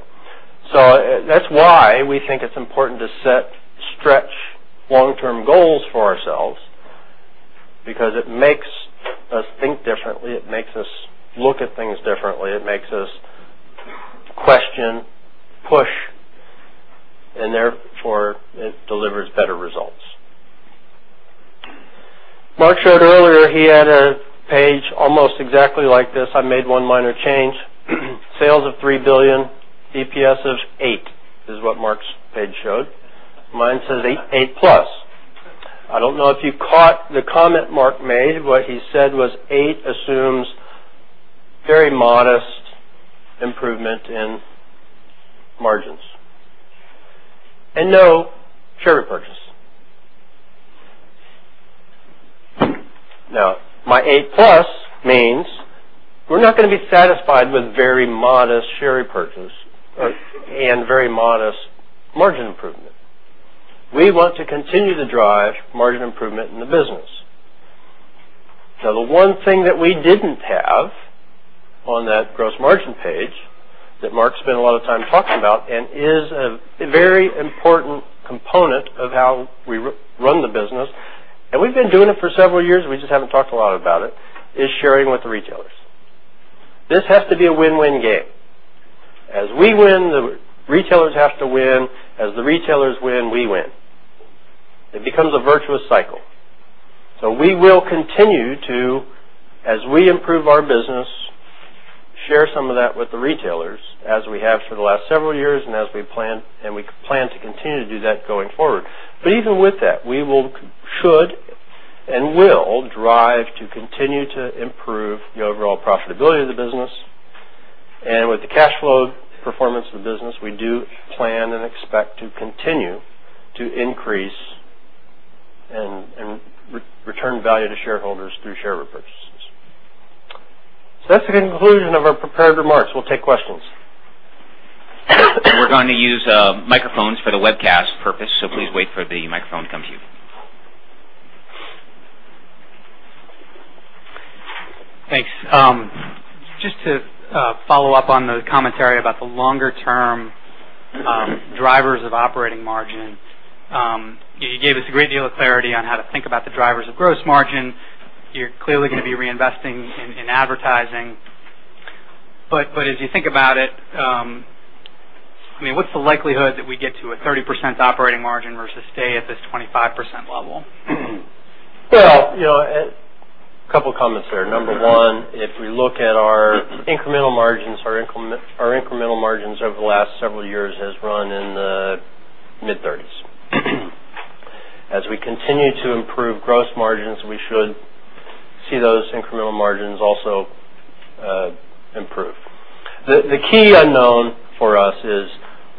That's why we think it's important to set stretch long-term goals for ourselves because it makes us think differently. It makes us look at things differently. It makes us question, push, and therefore, it delivers better results. Mark showed earlier he had a page almost exactly like this. I made one minor change. Sales of $3 billion, EPS of $8 is what Mark's page showed. Mine says $8+. I don't know if you caught the comment Mark made. What he said was $8 assumes very modest improvement in margins and no share repurchase. Now, my $8+ means we're not going to be satisfied with very modest share repurchase and very modest margin improvement. We want to continue to drive margin improvement in the business. The one thing that we didn't have on that gross margin page that Mark spent a lot of time talking about and is a very important component of how we run the business, and we've been doing it for several years, we just haven't talked a lot about it, is sharing with the retailers. This has to be a win-win game. As we win, the retailers have to win. As the retailers win, we win. It becomes a virtuous cycle. We will continue to, as we improve our business, share some of that with the retailers as we have for the last several years and as we plan, and we plan to continue to do that going forward. Even with that, we will, should, and will drive to continue to improve the overall profitability of the business. With the cash flow performance of the business, we do plan and expect to continue to increase and return value to shareholders through share repurchases. That's the conclusion of our prepared remarks. We'll take questions. We're going to use microphones for the webcast purpose, so please wait for the microphone to come to you. Thanks. Just to follow up on the commentary about the longer-term drivers of operating margin, you gave us a great deal of clarity on how to think about the drivers of gross margin. You're clearly going to be reinvesting in advertising. As you think about it, what's the likelihood that we get to a 30% operating margin versus stay at this 25% level? If we look at our incremental margins, our incremental margins over the last several years have run in the mid-30%. As we continue to improve gross margins, we should see those incremental margins also improve. The key unknown for us is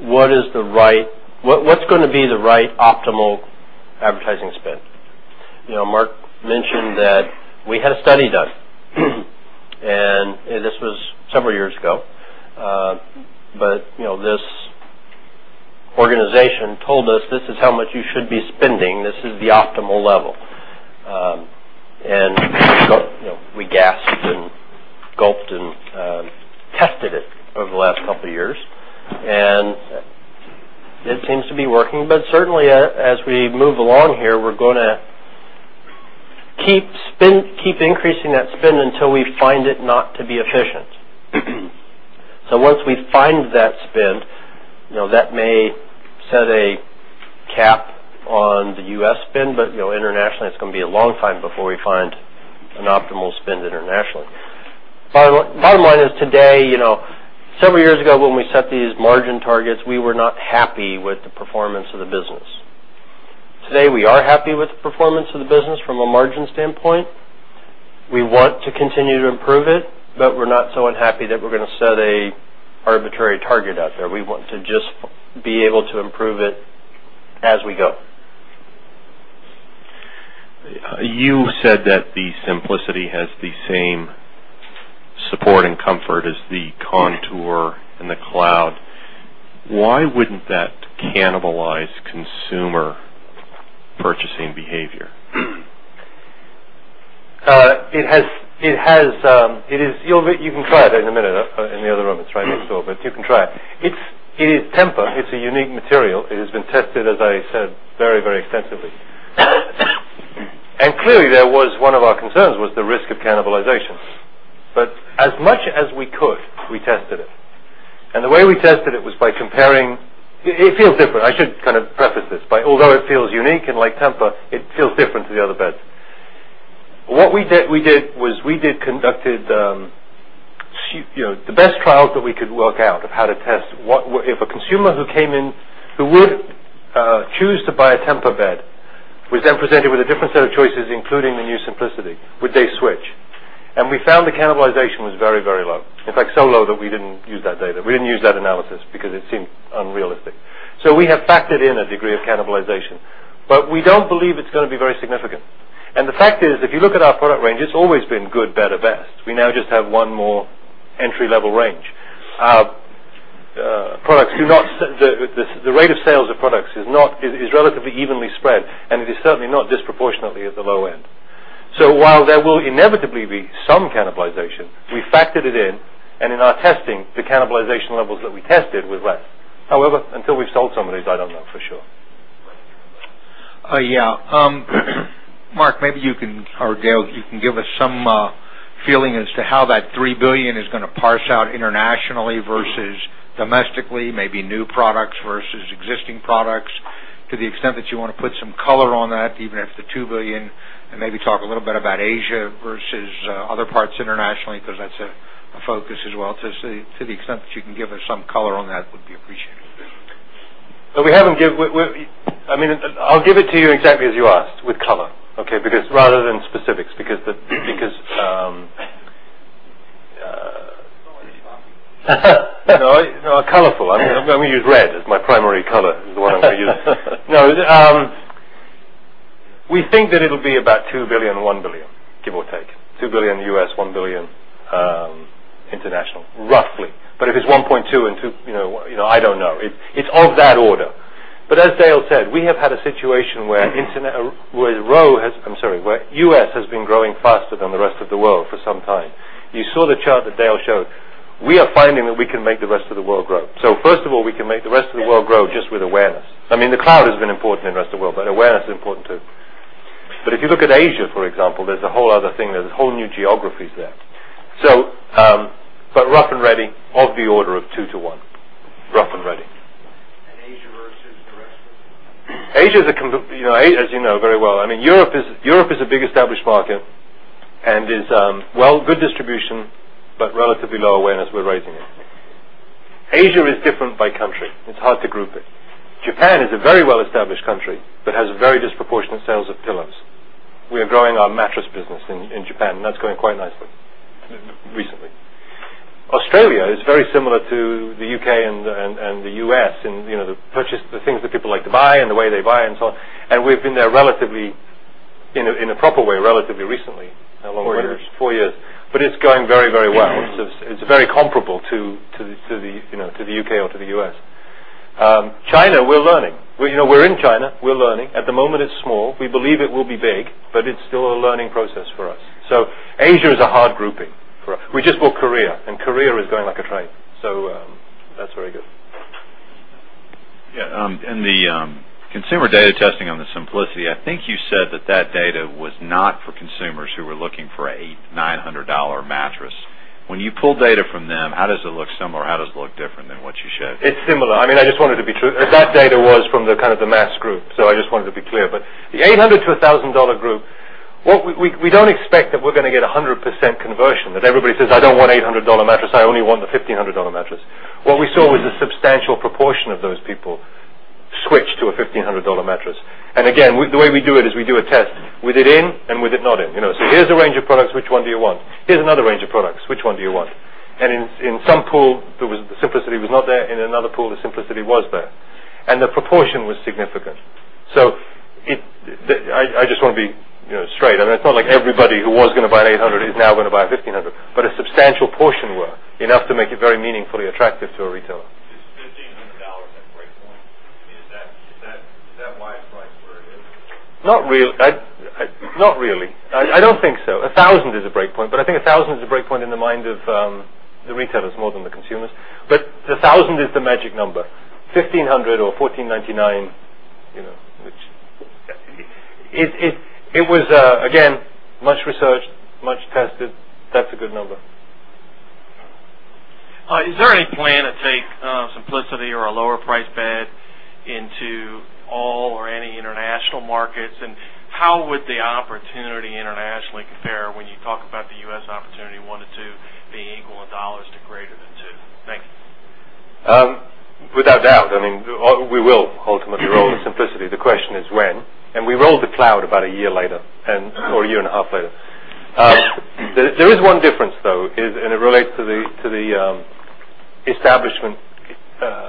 what is the right, what's going to be the right optimal advertising spend? Mark mentioned that we had a study done, and this was several years ago. This organization told us this is how much you should be spending. This is the optimal level. We gasped and gulped and tested it over the last couple of years, and it seems to be working. Certainly, as we move along here, we're going to keep increasing that spend until we find it not to be efficient. Once we find that spend, that may set a cap on the U.S. spend, but internationally, it's going to be a long time before we find an optimal spend internationally. Bottom line is today, several years ago when we set these margin targets, we were not happy with the performance of the business. Today, we are happy with the performance of the business from a margin standpoint. We want to continue to improve it, but we're not so unhappy that we're going to set an arbitrary target out there. We want to just be able to improve it as we go. You said that the Simplicity has the same support and comfort as the Contour and the Cloud. Why wouldn't that cannibalize consumer purchasing behavior? It has, it has, it is, you can find it in a minute in the other room. It's right next door, but you can try it. It is Tempur. It's a unique material. It has been tested, as I said, very, very extensively. Clearly, that was one of our concerns, the risk of cannibalization. As much as we could, we tested it. The way we tested it was by comparing, it feels different. I should kind of preface this by, although it feels unique and like Tempur, it feels different to the other beds. What we did was we conducted the best trials that we could work out of how to test what if a consumer who came in, who would choose to buy a Tempur bed, was then presented with a different set of choices, including the new Simplicity. Would they switch? We found the cannibalization was very, very low. In fact, so low that we didn't use that data. We didn't use that analysis because it seemed unrealistic. We have backed it in a degree of cannibalization, but we don't believe it's going to be very significant. The fact is, if you look at our product range, it's always been good, better, best. We now just have one more entry-level range. Products do not, the rate of sales of products is not, is relatively evenly spread, and it is certainly not disproportionately at the low end. While there will inevitably be some cannibalization, we factored it in, and in our testing, the cannibalization levels that we tested were that. However, until we've sold some of these, I don't know for sure. Yeah. Mark, maybe you can, or Dale, you can give us some feeling as to how that $3 billion is going to parse out internationally versus domestically, maybe new products versus existing products, to the extent that you want to put some color on that, even if the $2 billion, and maybe talk a little bit about Asia versus other parts internationally because that's a focus as well. To the extent that you can give us some color on that would be appreciated. I mean, I'll give it to you exactly as you asked with color, okay? Rather than specifics, because, you know, colorful. I'm going to use red as my primary color. This is the one I'm going to use. No, we think that it'll be about $2 billion, $1 billion, give or take. $2 billion U.S., $1 billion international, roughly. If it's $1.2 billion and $2 billion, you know, I don't know. It's of that order. As Dale said, we have had a situation where U.S. has been growing faster than the rest of the world for some time. You saw the chart that Dale showed. We are finding that we can make the rest of the world grow. First of all, we can make the rest of the world grow just with awareness. I mean, the cloud has been important in the rest of the world, but awareness is important too. If you look at Asia, for example, there's a whole other thing. There are whole new geographies there. Rough and ready, of the order of two to one, rough and ready. Asia versus the rest of it. Asia is a complete, you know, as you know very well. Europe is a big established market and is, well, good distribution, but relatively low awareness. We're raising it. Asia is different by country. It's hard to group it. Japan is a very well-established country, but has very disproportionate sales of pillows. We are growing our mattress business in Japan, and that's going quite nicely recently. Australia is very similar to the U.K. and the U.S. in, you know, the things that people like to buy and the way they buy and so on. We've been there relatively, you know, in a proper way, relatively recently. How long? Four years. It's going very, very well. It's very comparable to the, you know, to the U.K. or to the U.S. China, we're learning. We're in China. We're learning. At the moment, it's small. We believe it will be big, but it's still a learning process for us. Asia is a hard grouping for us. We just bought Korea, and Korea is going like a train. That's very good. Yeah. The consumer data testing on the Simplicity, I think you said that data was not for consumers who were looking for an $800-$900 mattress. When you pull data from them, how does it look similar? How does it look different than what you showed? It's similar. I just wanted to be true. That data was from the kind of the mass group. I just wanted to be clear. For the $800 to $1,000 group, we don't expect that we're going to get 100% conversion, that everybody says, "I don't want an $800 mattress. I only want the $1,500 mattress." What we saw was a substantial proportion of those people switched to a $1,500 mattress. The way we do it is we do a test with it in and with it not in. Here's a range of products. Which one do you want? Here's another range of products. Which one do you want? In some pool, the simplicity was not there. In another pool, the simplicity was there. The proportion was significant. I just want to be straight. It's not like everybody who was going to buy an $800 is now going to buy a $1,500, but a substantial portion were enough to make it very meaningfully attractive to a retailer. Is $1,500 a breakpoint? Not really. I don't think so. $1,000 is a breakpoint, but I think $1,000 is a breakpoint in the mind of the retailers more than the consumers. The $1,000 is the magic number. $1,500 or $1,499, you know, which it was, again, much researched, much tested. That's a good number. Is there any plan to take Simplicity or a lower price bed into all or any international markets? How would the opportunity internationally compare when you talk about the U.S. opportunity, one to two being equal in dollars to greater than two? Thanks. Without doubt, we will ultimately roll Simplicity. The question is when. We rolled the Cloud about a year later or a year and a half later. There is one difference, though, and it relates to the establishment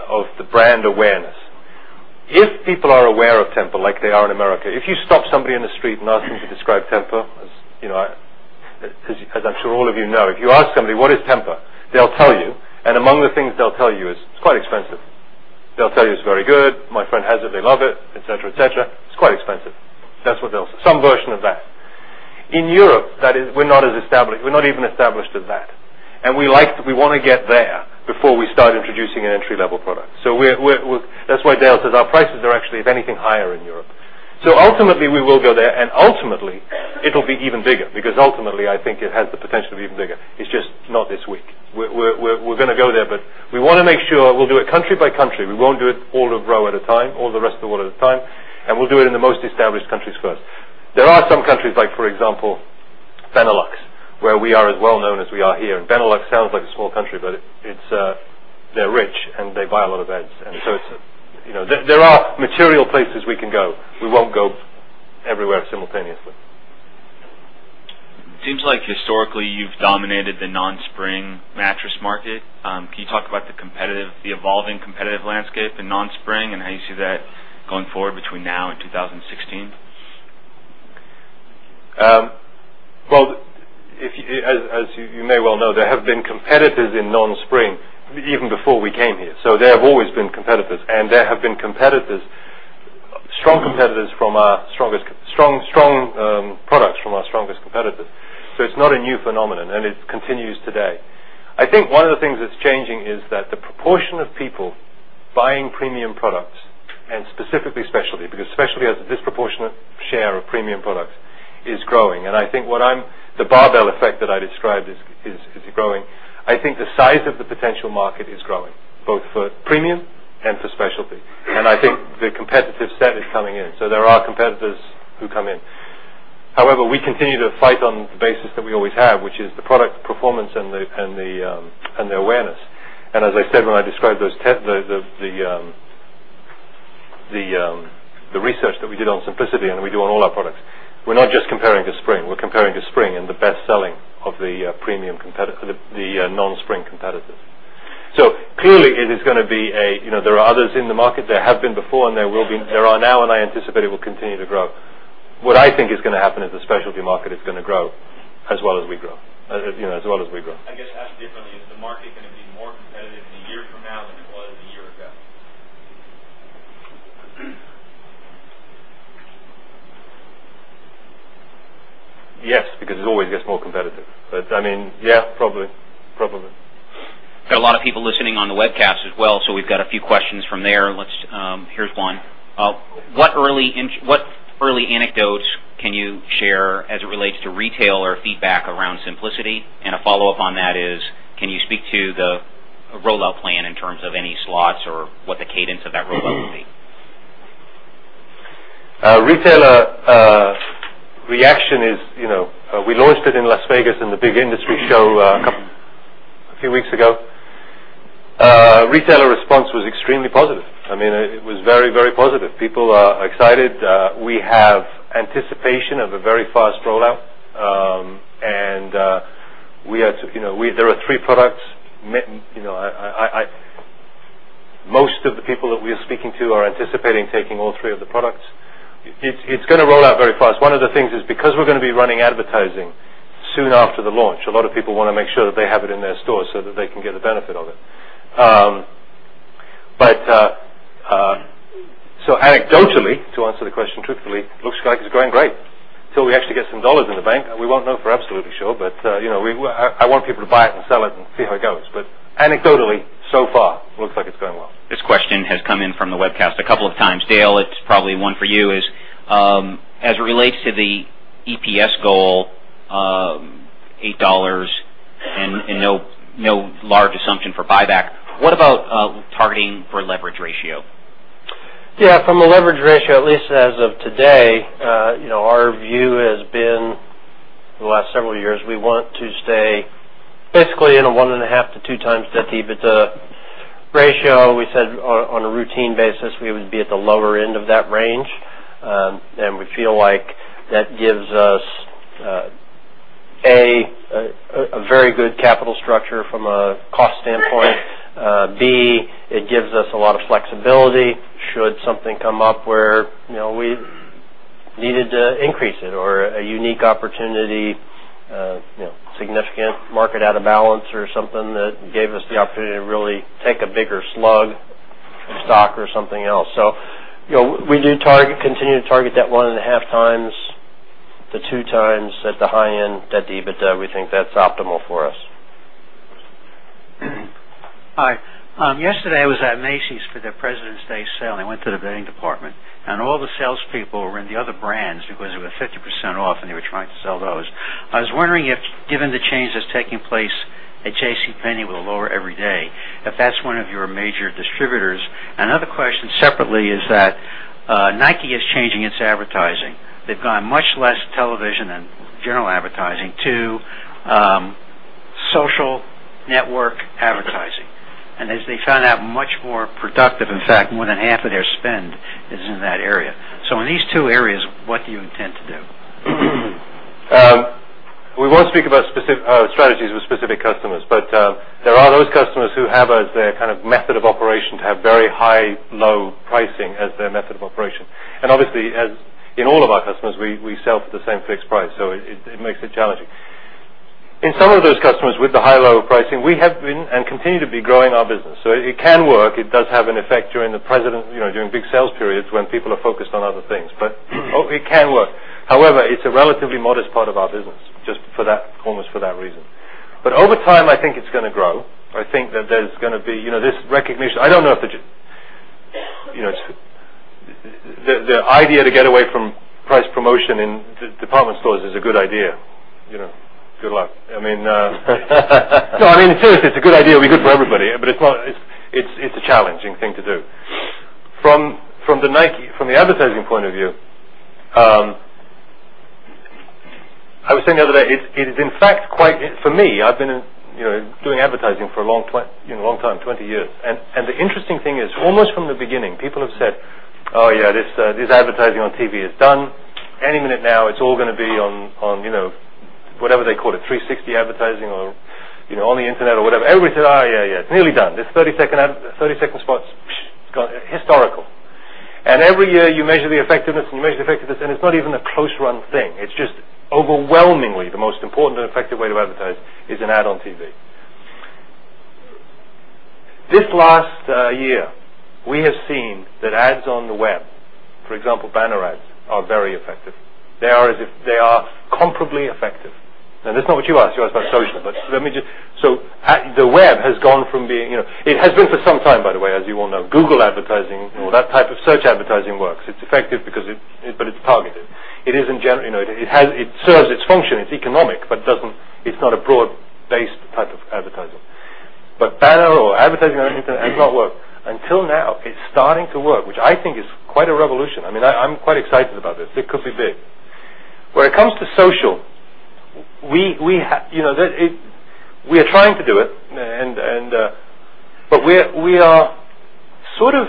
of the brand awareness. If people are aware of Tempur like they are in America, if you stop somebody in the street and ask them to describe Tempur, as you know, as I'm sure all of you know, if you ask somebody, "What is Tempur?" they'll tell you. Among the things they'll tell you is it's quite expensive. They'll tell you it's very good. My friend has it. They love it, etc., etc. It's quite expensive. That's what they'll say, some version of that. In Europe, we are not as established. We're not even established at that. We want to get there before we start introducing an entry-level product. That's why Dale says our prices are actually, if anything, higher in Europe. Ultimately, we will go there. Ultimately, it'll be even bigger because I think it has the potential to be even bigger. It's just not this week. We're going to go there, but we want to make sure we'll do it country by country. We won't do it all of rest of the world at a time, all the rest of the world at a time. We'll do it in the most established countries first. There are some countries, like, for example, Benelux, where we are as well known as we are here. Benelux sounds like a small country, but they're rich and they buy a lot of beds. There are material places we can go. We won't go everywhere simultaneously. It seems like historically you've dominated the non-spring mattress market. Can you talk about the evolving competitive landscape in non-spring and how you see that going forward between now and 2016? There have been competitors in non-spring even before we came here. There have always been competitors, and there have been strong competitors from our strongest products from our strongest competitors. It is not a new phenomenon, and it continues today. I think one of the things that's changing is that the proportion of people buying premium products and specifically specialty, because specialty has a disproportionate share of premium products, is growing. I think the barbell market effect that I described is growing. I think the size of the potential market is growing, both for premium and for specialty. I think the competitive set is coming in. There are competitors who come in. However, we continue to fight on the basis that we always have, which is the product performance and the awareness. As I said when I described the research that we did on Simplicity and we do on all our products, we're not just comparing to spring. We're comparing to spring and the best selling of the non-spring competitors. Clearly, there are others in the market. There have been before, there are now, and I anticipate it will continue to grow. What I think is going to happen is the specialty market is going to grow as well as we grow, as well as we grow. I guess, asked differently, is the market going to be more competitive in a year from now than it was a year ago? Yes, it always gets more competitive. Yeah, probably. Probably. A lot of people listening on the webcast as well, so we've got a few questions from there. Here's one. What early anecdotes can you share as it relates to retailer feedback around Simplicity? A follow-up on that is, can you speak to the rollout plan in terms of any slots or what the cadence of that rollout would be? Retailer reaction is, you know, we launched it in Las Vegas in the big industry show a few weeks ago. Retailer response was extremely positive. I mean, it was very, very positive. People are excited. We have anticipation of a very fast rollout. There are three products. Most of the people that we are speaking to are anticipating taking all three of the products. It's going to roll out very fast. One of the things is because we're going to be running advertising soon after the launch, a lot of people want to make sure that they have it in their stores so that they can get the benefit of it. Anecdotally, to answer the question truthfully, it looks like it's going great until we actually get some dollars in the bank. We won't know for absolutely sure, but you know, I want people to buy it and sell it and see how it goes. Anecdotally, so far, it looks like it's going well. This question has come in from the webcast a couple of times. Dale, it's probably one for you, as it relates to the EPS goal, $8 and no large assumption for buyback, what about targeting for leverage ratio? Yeah, from a leverage ratio, at least as of today, our view has been for the last several years, we want to stay basically in a 1.5x-2x that even. It's a ratio we said on a routine basis, we would be at the lower end of that range. We feel like that gives us, A, a very good capital structure from a cost standpoint. B, it gives us a lot of flexibility should something come up where we needed to increase it or a unique opportunity, significant market out of balance or something that gave us the opportunity to really take a bigger slug stock or something else. We do target, continue to target that 1.5 times to 2 times at the high end that we think that's optimal for us. Hi. Yesterday, I was at Macy's for their President's Day sale. I went to the bedding department, and all the salespeople were in the other brands because they were 50% off, and they were trying to sell those. I was wondering if, given the change that's taking place at JCPenney with a lower every day, if that's one of your major distributors. Another question separately is that Nike is changing its advertising. They've gone much less television and general advertising to social network advertising. As they found out, much more productive, in fact, more than half of their spend is in that area. In these two areas, what do you intend to do? We won't speak about strategies with specific customers, but there are those customers who have as their kind of method of operation to have very high, low pricing as their method of operation. Obviously, as in all of our customers, we sell for the same fixed price. It makes it challenging. In some of those customers with the high, low pricing, we have been and continue to be growing our business. It can work. It does have an effect during the present, you know, during big sales periods when people are focused on other things. It can work. However, it's a relatively modest part of our business just for that, almost for that reason. Over time, I think it's going to grow. I think that there's going to be, you know, this recognition. I don't know if the, you know, the idea to get away from price promotion in the department stores is a good idea. Good luck. I mean, no, I mean, in fairness, it's a good idea. It'll be good for everybody, but it's not, it's a challenging thing to do. From the Nike, from the advertising point of view, I was thinking the other day, it is in fact quite, for me, I've been in, you know, doing advertising for a long time, 20 years. The interesting thing is, almost from the beginning, people have said, "Oh yeah, this advertising on TV is done. Any minute now, it's all going to be on, you know, whatever they call it, 360 advertising or, you know, on the internet or whatever." Everybody said, "Oh yeah, yeah, it's nearly done." This 30-second spots, it's gone historical. Every year you measure the effectiveness and you measure the effectiveness, and it's not even a close-run thing. It's just overwhelmingly the most important and effective way to advertise is an ad on TV. This last year, we have seen that ads on the web, for example, banner ads are very effective. They are as if they are comparably effective. That's not what you asked. You asked about social. The web has gone from being, you know, it has been for some time, by the way, as you all know, Google advertising or that type of search advertising works. It's effective because it, but it's targeted. It isn't general, you know, it has, it serves its function. It's economic, but it doesn't, it's not a broad-based type of advertising. Banner or advertising on the internet has not worked. Until now, it's starting to work, which I think is quite a revolution. I'm quite excited about this. It could be big. When it comes to social, we are trying to do it, and we are sort of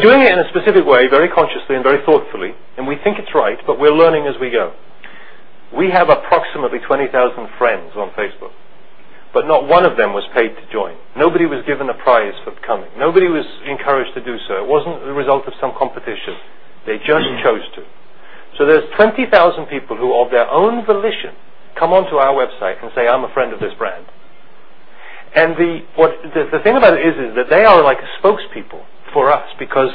doing it in a specific way, very consciously and very thoughtfully. We think it's right, but we're learning as we go. We have approximately 20,000 friends on Facebook, but not one of them was paid to join. Nobody was given a prize for coming. Nobody was encouraged to do so. It wasn't the result of some competition. They just chose to. There are 20,000 people who, of their own volition, come onto our website and say, "I'm a friend of this brand." The thing about it is that they are like spokespeople for us because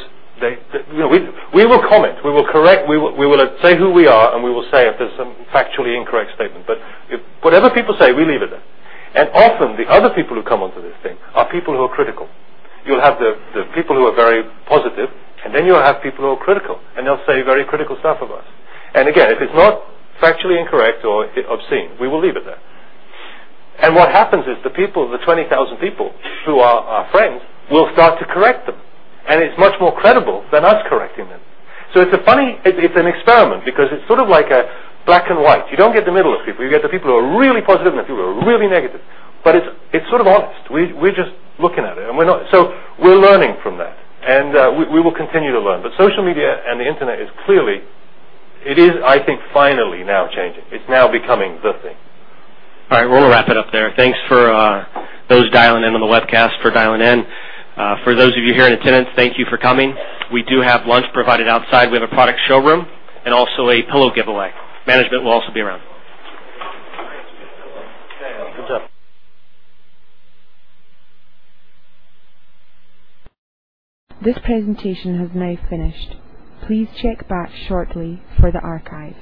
we will comment, we will correct, we will say who we are, and we will say if there's some factually incorrect statement. Whatever people say, we leave it there. Often, the other people who come onto this thing are people who are critical. You'll have the people who are very positive, and then you'll have people who are critical, and they'll say very critical stuff about us. If it's not factually incorrect or obscene, we will leave it there. What happens is the people, the 20,000 people who are our friends, will start to correct them. It's much more credible than us correcting them. It's a funny experiment because it's sort of like a black and white. You don't get the middle of people. You get the people who are really positive and the people who are really negative. It's sort of honest. We're just looking at it, and we're not, so we're learning from that. We will continue to learn. Social media and the internet is clearly, it is, I think, finally now changing. It's now becoming the thing. All right. We'll wrap it up there. Thanks for those dialing in on the webcast, for dialing in. For those of you here in attendance, thank you for coming. We do have lunch provided outside. We have a product showroom and also a pillow giveaway. Management will also be around. Good job. This presentation has now finished. Please check back shortly for the archive.